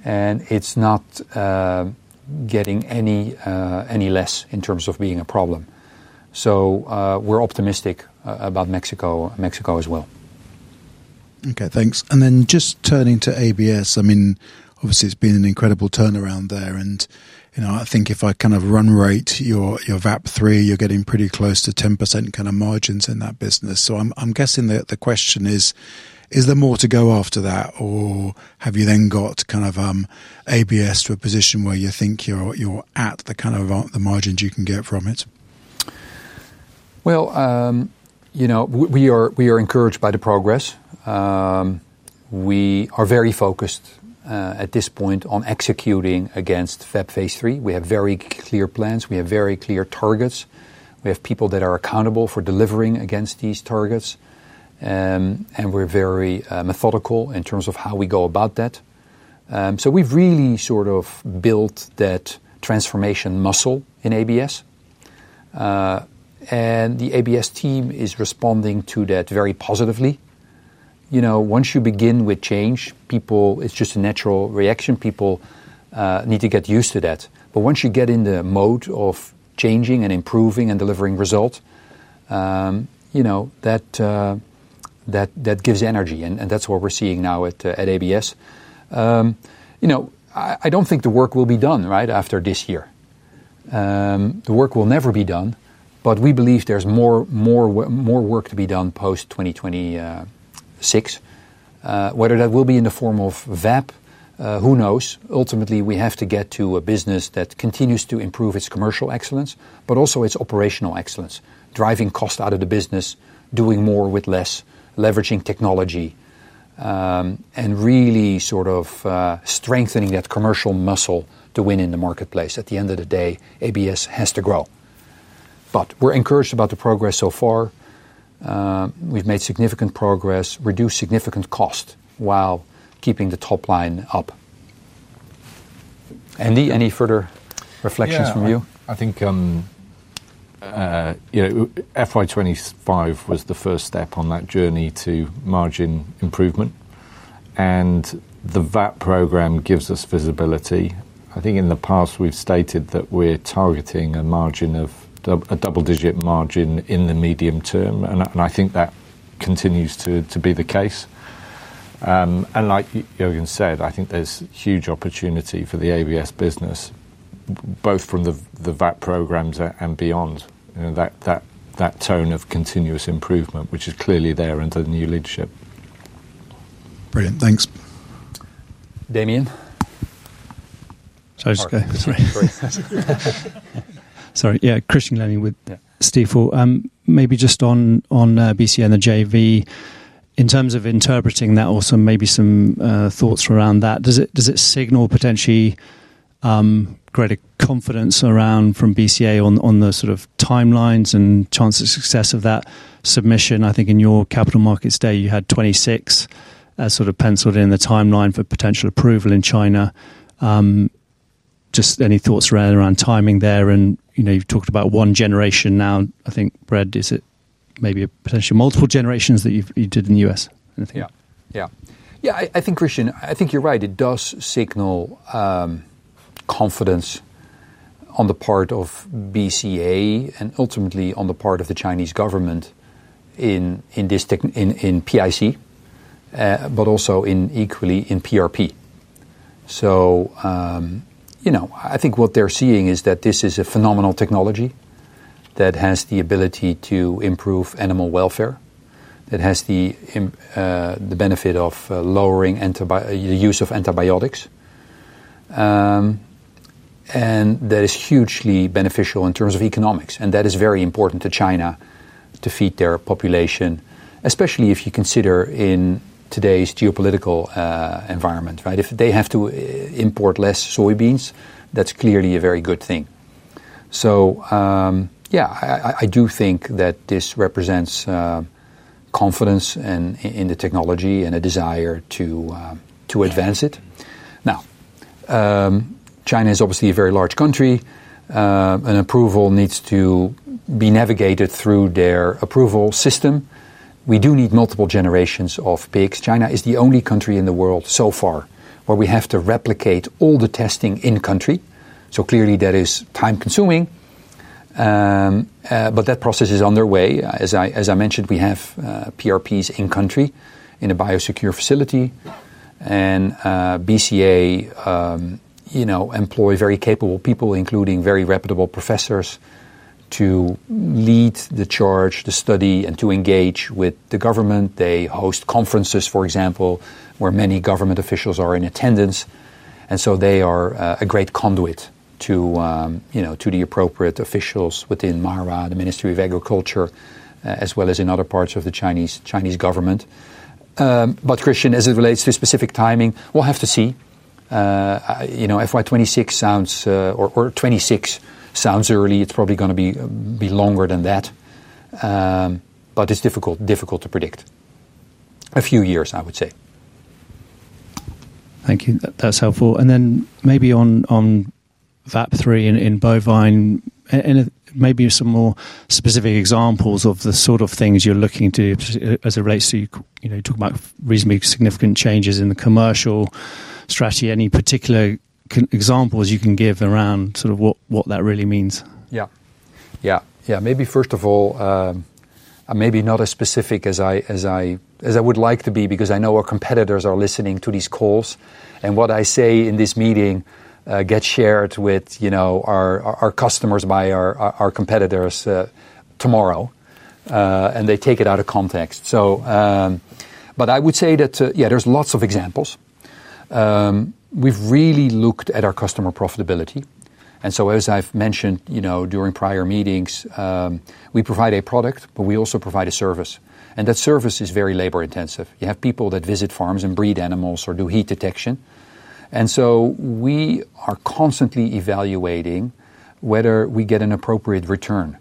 and it's not getting any less in terms of being a problem. So we're optimistic about Mexico Mexico as well. Okay. And then just turning to ABS. I mean, obviously, it's been an incredible turnaround there. And I think if I kind of run rate your VAP3, you're getting pretty close to 10% kind of margins in that business. So I'm guessing that the question is, is there more to go after that? Or have you then got kind of ABS to a position where you think you're at the kind of the margins you can get from it? Well, we are encouraged by the progress. We are very focused at this point on executing against that phase three. We have very clear plans. We have very clear targets. We have people that are accountable for delivering against these targets. And we're very methodical in terms of how we go about that. So we've really sort of built that transformation muscle in ABS. And the ABS team is responding to that very positively. You know, once you begin with change, people it's just a natural reaction. People need to get used to that. But once you get in the mode of changing and improving and delivering results, you know, that gives energy and that's what we're seeing now at ABS. I don't think the work will be done right after this year. The work will never be done, but we believe there's more work to be done post 2026. Whether that will be in the form of VAP, who knows? Ultimately, we have to get to a business that continues to improve its commercial excellence, but also its operational excellence, driving cost out of the business, doing more with less, leveraging technology, and really sort of strengthening that commercial muscle to win in the marketplace. At the end of the day, ABS has to grow. But we're encouraged about the progress so far. We've made significant progress, reduced significant cost while keeping the top line up. Andy, any further reflections I from think, FY 2025 was the first step on that journey to margin improvement. And the VAT program gives us visibility. I think in the past, we've stated that we're targeting a margin of a double digit margin in the medium term. And I think that continues to be the case. And like Joergen said, I think there's huge opportunity for the ABS business, both from the VAT programs and beyond, that tone of continuous improvement, which is clearly there into the new leadership. Brilliant. Thanks. Damian? Yes, Christian Lennie with Stifel. Maybe just on BCA and the JV. In terms of interpreting that also, maybe some thoughts around that. Does signal potentially greater confidence around from BCA on the sort of timelines and chance of success of that submission? I think in your Capital Markets Day, you had '26 sort of penciled in the timeline for potential approval in China. Just any thoughts around timing there and, you know, you've talked about one generation now. I think, Brad, is it maybe potentially multiple generations that you've you did in The US? Yeah. Yeah. Yeah. I I think, Christian, I think you're right. It does signal confidence on the part of BCA and ultimately on the part of the Chinese government in this tech in PIC, but also in equally in PRP. So, you know, I think what they're seeing is that this is a phenomenal technology that has the ability to improve animal welfare, that has the benefit of lowering the use of antibiotics. And that is hugely beneficial in terms of economics and that is very important to China to feed their population, especially if you consider in today's geopolitical environment. Right? If they have to import less soybeans, that's clearly a very good thing. So, I do think that this represents confidence in the technology and a desire to advance it. Now, China is obviously a very large country and approval needs to be navigated through their approval system. We do need multiple generations of pigs. China is the only country in the world so far where we have to replicate all the testing in country, so clearly that is time consuming. But that process is underway, as mentioned we have PRPs in country, in a bio secure facility, And BCA employ very capable people including very reputable professors to lead the charge, to study, and to engage with the government. They host conferences, for example, where many government officials are in attendance. And so they are a great conduit to, you know, to the appropriate officials within Mahara, the Ministry of Agriculture, as well as in other parts of the Chinese government. But Christian, as it relates to specific timing, we'll have to see. Know, FY '26 sounds '26 sounds early, it's probably going to be longer than that. But it's difficult, difficult to predict. A few years, would say. Thank you. That's helpful. And then maybe on VAP3 in Bovine, maybe some more specific examples of the sort of things you're looking to as it relates to you talk about reasonably significant changes in the commercial strategy. Any particular examples you can give around sort of what that really means? Yeah. Yeah. Maybe first of all, maybe not as specific as I as I as I would like to be because I know our competitors are listening to these calls. And what I say in this meeting gets shared with, you know, our our customers by our competitors tomorrow, and they take it out of context. So but I would say that, yeah, there's lots of examples. We've really looked at our customer profitability. And so as I've mentioned, you know, during prior meetings, we provide a product, but we also provide a service. And that service is very labor intensive. You have people that visit farms and breed animals or do heat detection. And so we are constantly evaluating whether we get an appropriate return.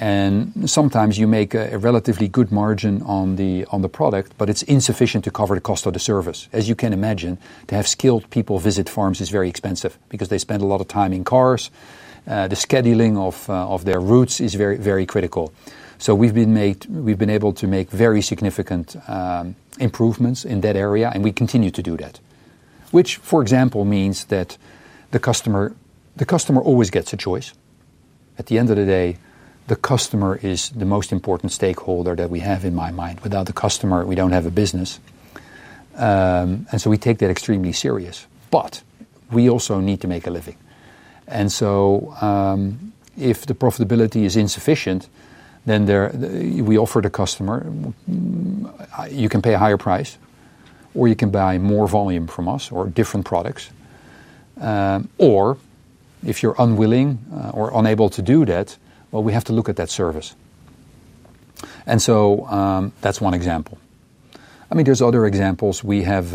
And sometimes you make a relatively good margin on the product, but it's insufficient to cover the cost of the service. As you can imagine, to have skilled people visit farms is very expensive because they spend a lot of time in cars. The scheduling of their routes is very critical. So we've been made we've been able to make very significant improvements in that area and we continue to do that. Which, for example, means that the customer the customer always gets a choice. At the end of the day, the customer is the most important stakeholder that we have in my mind. Without the customer, we don't have a business. And so we take that extremely serious. But we also need to make a living. And so if the profitability is insufficient, then there we offer the customer, you can pay a higher price or you can buy more volume from us or different products. Or if you're unwilling or unable to do that, well, we have to look at that service. And so that's one example. I mean, there's other examples we have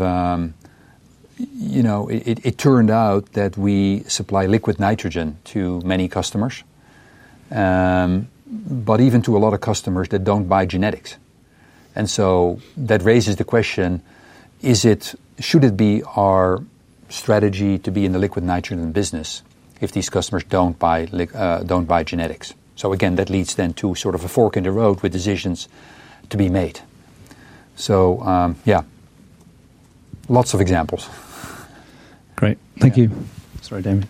you know, it it turned out that we supply liquid nitrogen to many customers, but even to a lot of customers that don't buy genetics. And so that raises the question, is it should it be our strategy to be in the liquid nitrogen business if these customers don't buy don't buy genetics? So again, that leads then to sort of a fork in the road with decisions to be made. So, lots of examples. Great. Thank you. Sorry, Damien.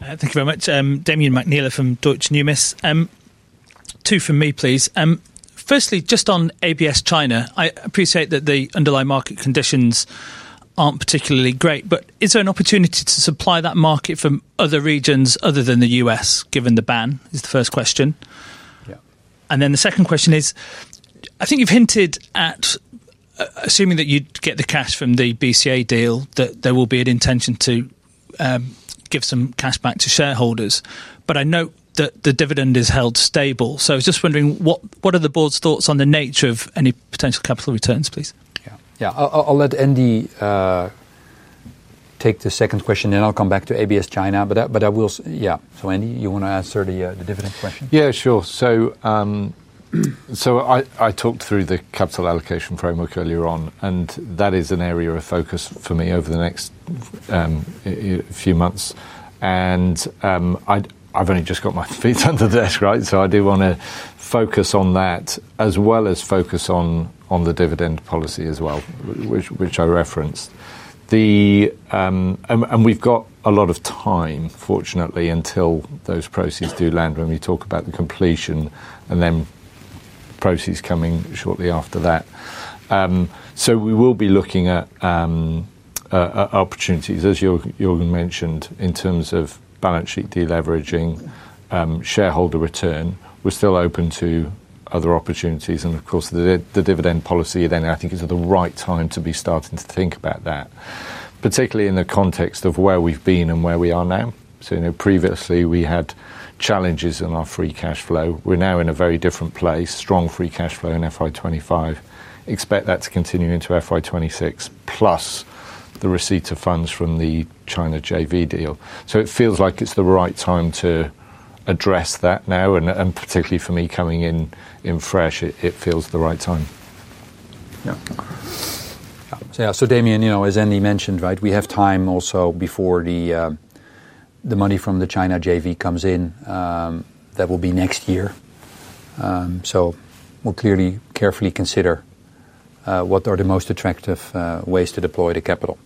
Thank you very much. Damien McNeither from Deutsche Numis. Two for me, please. Firstly, just on ABS China. I appreciate that the underlying market conditions aren't particularly great, but is there an opportunity to supply that market from other regions other than The U. S. Given the ban is the first question? Yes. And then the second question is, I think you've hinted at assuming that you'd get the cash from the BCA deal, that there will be an intention to give some cash back to shareholders. But I note that the dividend is held stable. So I was just wondering what are the Board's thoughts on the nature of any potential capital returns, please? Yes. I'll let Endy take the second question, and I'll come back to ABS China. But I will yes. So Endy, you want to answer the dividend question? Yes, sure. So I talked through the capital allocation framework earlier on, and that is an area of focus for me over the next few months. And I've only just got my feet under the desk, right? So I do want to focus on that as well as focus on the dividend policy as well, which I referenced. The and we've got a lot of time, fortunately, until those proceeds do land when we talk about the completion and then proceeds coming shortly after that. So we will be looking at opportunities, as Jorgen mentioned, in terms of balance sheet deleveraging, shareholder return. We're still open to other opportunities. And of course, the dividend policy then I think is at the right time to be starting to think about that, particularly in the context of where we've been and where we are now. So previously, we had challenges in our free cash flow. We're now in a very different place, strong free cash flow in FY 2025. Expect that to continue into FY 'twenty six plus the receipt of funds from the China JV deal. So it feels like it's the right time to address that now. And particularly for me coming in fresh, feels the right time. Yeah. So Damien, as Andy mentioned, right, we have time also before the money from the China JV comes in. That will be next year. So we'll clearly carefully consider what are the most attractive ways to deploy the capital.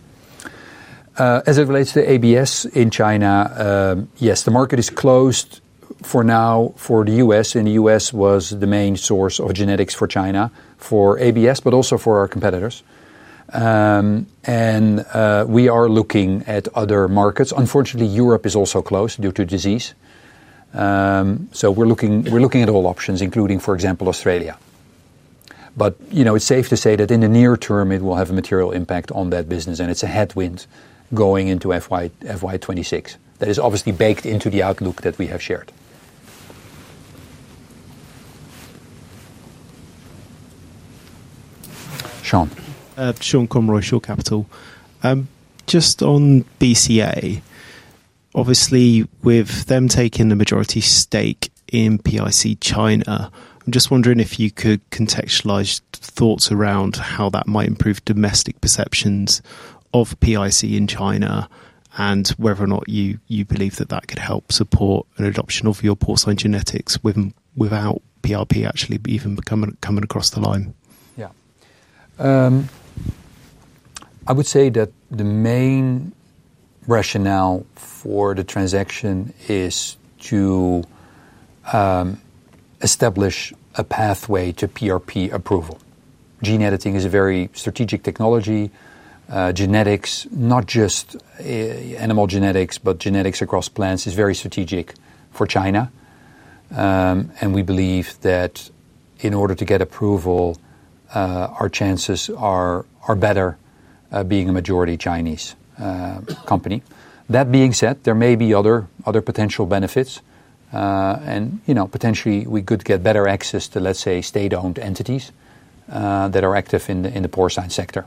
As it relates to ABS in China, yes, the market is closed for now for The US, and The US was the main source of genetics for China for ABS, but also for our competitors. We are looking at other markets. Unfortunately, Europe is also closed due to disease. So we're looking we're looking at all options including, for example, Australia. But, you know, it's safe to say that in the near term it will have a material impact on that business and it's a headwind going into FY '26. That is obviously baked into the outlook that we have shared. Sean? Sean Conroy, Shaw Capital. Just on BCA. Obviously, with them taking the majority stake in PIC China, I'm just wondering if you could contextualize thoughts around how that might improve domestic perceptions of PIC in China and whether or not you believe that that could help support an adoption of your porcine genetics without PRP actually be even becoming coming across the line? Yeah. I would say that the main rationale for the transaction is to establish a pathway to PRP approval. Gene editing is a very strategic technology. Genetics, not just animal genetics, but genetics across plants is very strategic for China. And we believe that in order to get approval, our chances are better being a majority Chinese company. That being said, there may be other potential benefits. And potentially we could get better access to let's say state owned entities that are active in poor science sector.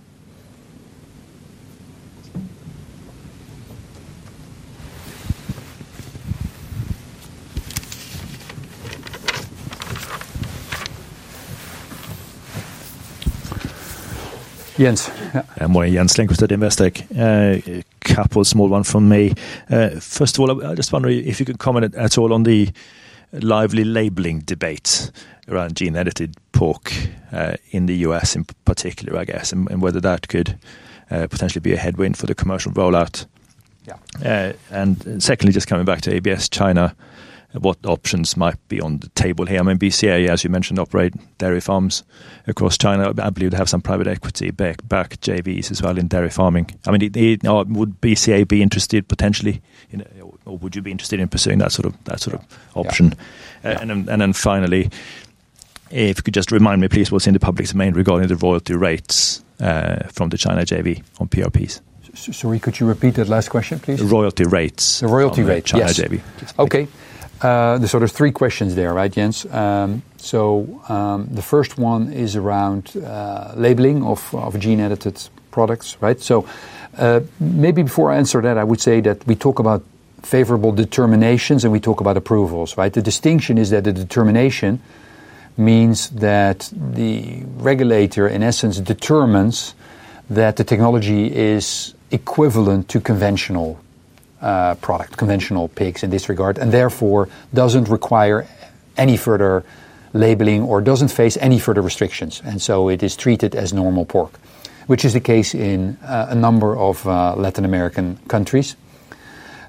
Jens Lundquist at Investec. Couple of small ones from me. First of all, I just wonder if you could comment at all on the lively labeling debates around gene edited pork in The U. S. In particular, I guess, and whether that could potentially be a headwind for the commercial rollout? Yes. And secondly, just coming back to ABS China, what options might be on the table here? Mean BCA, as you mentioned, operate dairy farms across China. I believe they have some private equity backed JVs as well in dairy farming. I mean, would BCA be interested potentially? Or would you be interested in pursuing that sort of option? And then finally, if you could just remind me, please, what's in the public domain regarding the royalty rates from the China JV on PRPs? Sorry, could you repeat that last question, please? The royalty The royalty rates. Okay. So there's three questions there, right, Jens? So the first one is around labeling of gene edited products. Right? So maybe before I answer that I would say that we talk about favorable determinations and we talk about approvals. Right? The distinction is that the determination means that the regulator in essence determines that the technology is equivalent to conventional products, conventional pigs in this regard, and therefore doesn't require any further labeling or doesn't face any further restrictions. And so it is treated as normal pork, which is the case in a number of Latin American countries.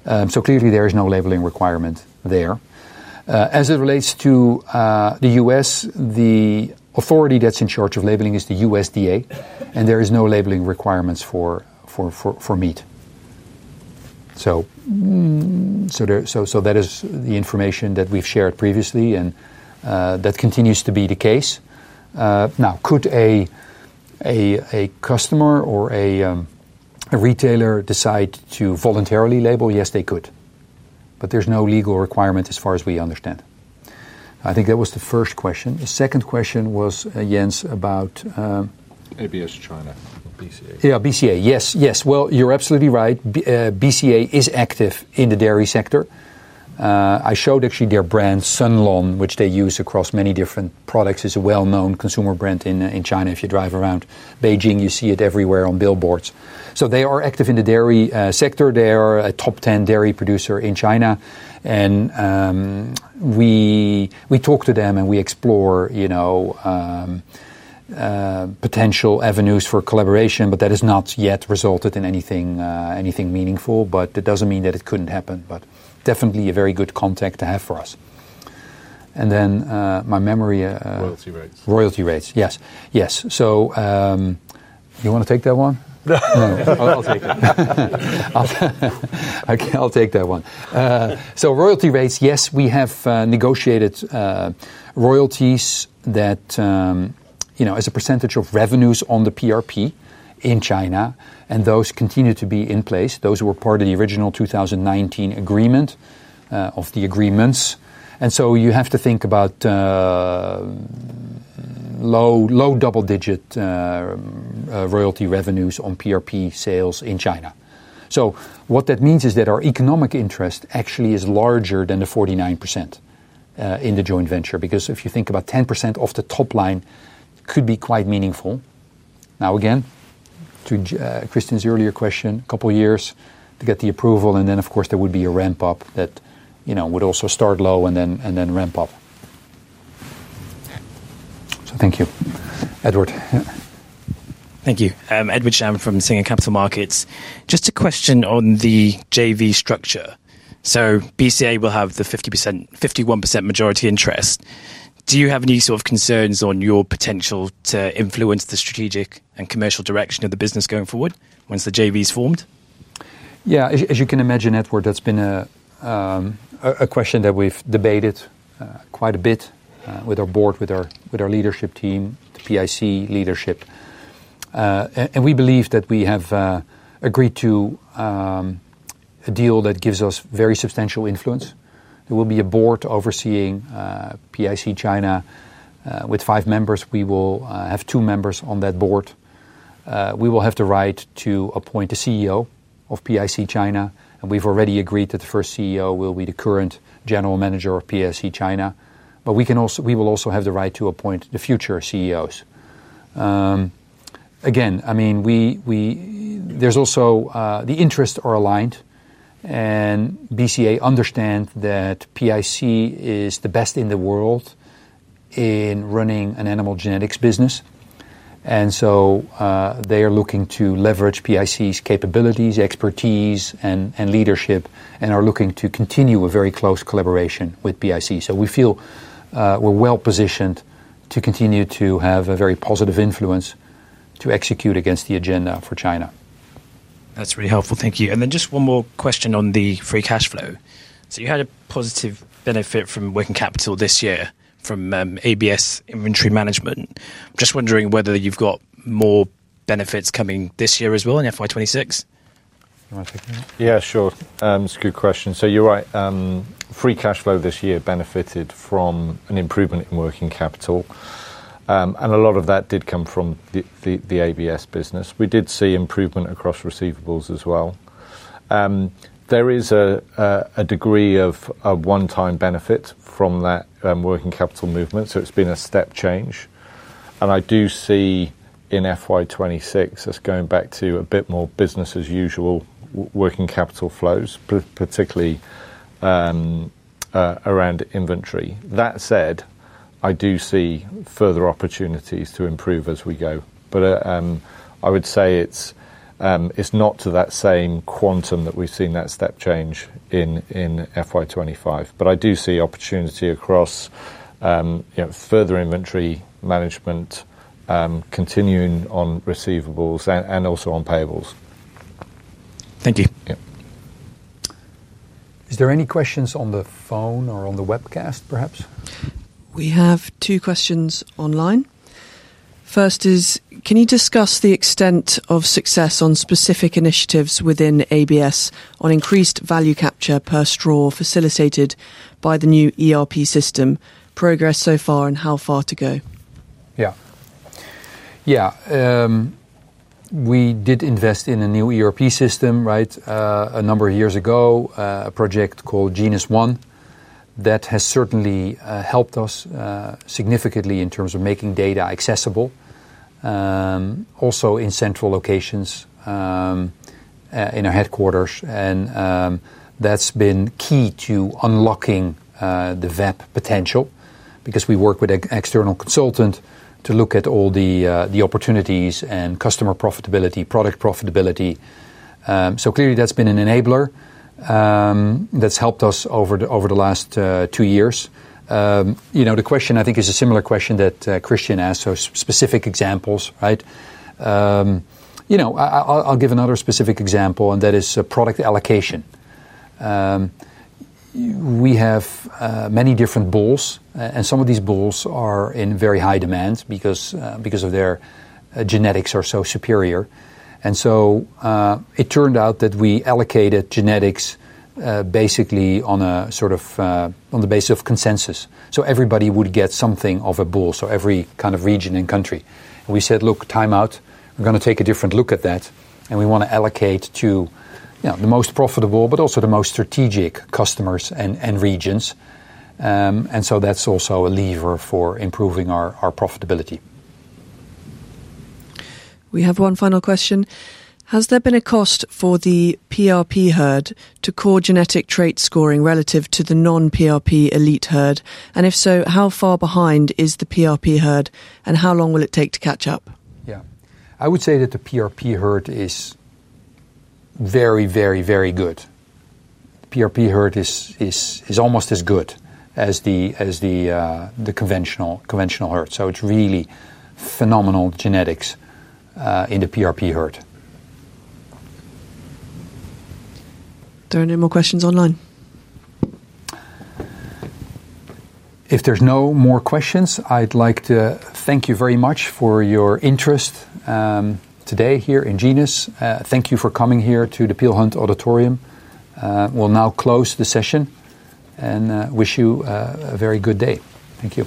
So clearly there is no labeling requirement there. As it relates to The US, the authority that's in charge of labeling is the USDA, and there is no labeling requirements for meat. So that is the information that we've shared previously and that continues to be the case. Now could a customer or a retailer decide to voluntarily label? Yes, they could. But there's no legal requirement as far as we understand. I think that was the first question. The second question was, Jens, about ABS China or BCA. Yeah, BCA. Yes, yes. Well, you're absolutely right. BCA is active in the dairy sector. I showed actually their brand Sunlong, which they use across many different products, it's a well known consumer brand in China. If you drive around Beijing you see it everywhere on billboards. So they are active in the dairy sector, they are a top 10 dairy producer in China, and we talk to them and we explore potential avenues for collaboration, but that has not yet resulted in anything meaningful, but it doesn't mean that it couldn't happen, but definitely a very good contact to have for us. And then my memory Royalty rates. Royalty rates, yes. Yes. So you want to take that one? No. I'll take it. Okay, I'll take that one. So royalty rates, yes, we have negotiated royalties that, you know, as a percentage of revenues on the PRP in China, and those continue to be in place. Those were part of the original 2019 agreement of the agreements. And so you have to think about low low double digit royalty revenues on PRP sales in China. So what that means is that our economic interest actually is larger than the 49% in the joint venture because if you think about 10% of the top line, it could be quite meaningful. Now again, to Christian's earlier question, a couple of years to get the approval and then of course there would be a ramp up that would also start low and ramp up. So thank you. Edward? You. Edward Sham from Singha Capital Markets. Just a question on the JV structure. So BCA will have the 5051% majority interest. Do you have any sort of concerns on your potential to influence the strategic and commercial direction of the business going forward once the JV is formed? Yeah. As you can imagine, Edward, that's been a question that we've debated quite a bit with our board, with our leadership team, the PIC leadership. And we believe that we have agreed to a deal that gives us very substantial influence. It will be a board overseeing PIC China with five members. We will have two members on that board. We will have the right to appoint the CEO of PIC China, and we've already agreed that the first CEO will be the current general manager of PIC China. But we can also we will also have the right to appoint the future CEOs. Again, I mean, we there's also the interests are aligned and BCA understand that PIC is the best in the world in running an animal genetics business. And so they are looking to leverage PIC's capabilities, expertise, and leadership and are looking to continue a very close collaboration with PIC. So we feel we're well positioned to continue to have a very positive influence to execute against the agenda for China. That's really helpful. Thank you. And then just one more question on the free cash flow. So you had a positive benefit from working capital this year from ABS inventory management. Just wondering whether you've got more benefits coming this year as well in FY 2026? Yes, sure. It's a good question. So you're right. Free cash flow this year benefited from an improvement in working capital. And a lot of that did come from the ABS business. We did see improvement across receivables as well. There is a degree of onetime benefit from that working capital movement, so it's been a step change. And I do see in FY 2026, it's going back to a bit more business as usual working capital flows, particularly around inventory. That said, I do see further opportunities to improve as we go. But I would say it's not to that same quantum that we've seen that step change in FY 2025. But I do see opportunity across further inventory management continuing on receivables and also on payables. Thank you. Yes. Is there any questions on the phone or on the webcast perhaps? We have two questions online. First is, can you discuss the extent of success on specific initiatives within ABS on increased value capture per straw facilitated by the new ERP system. Progress so far and how far to go? Yeah. Yeah. We did invest in a new ERP system, right, a number of years ago, a project called GENUS-one that has certainly helped us significantly in terms of making data accessible. Also in central locations in our headquarters and that's been key to unlocking the VAP potential because we work with an external consultant to look at all the opportunities and customer profitability, product profitability. So clearly that's been an enabler that's helped us over the last two years. The question I think is a similar question that Christian asked, so specific examples, right? I'll give another specific example and that is product allocation. We have many different bulls and some of these bulls are in very high demand because of their genetics are so superior. And so it turned out that we allocated genetics basically on a sort of on the basis of consensus. So everybody would get something of a bull, every kind of region and country. And we said, look, time out, we're gonna take a different look at that and we wanna allocate to the most profitable but also the most strategic customers and regions. And so that's also a lever for improving our profitability. We have one final question. Has there been a cost for the PRP herd to core genetic trait scoring relative to the non PRP elite herd? And if so, how far behind is the PRP herd? And how long will it take to catch up? Yeah. I would say that the PRP herd is very, very, very good. PRP herd is is almost as good as the as the the conventional conventional herd. So it's really phenomenal genetics in the PRP herd. There are no more questions online? If there's no more questions, I'd like to thank you very much for your interest today here in Genius. Thank you for coming here to the Peel Hunt Auditorium. We'll now close the session and wish you a very good day. Thank you.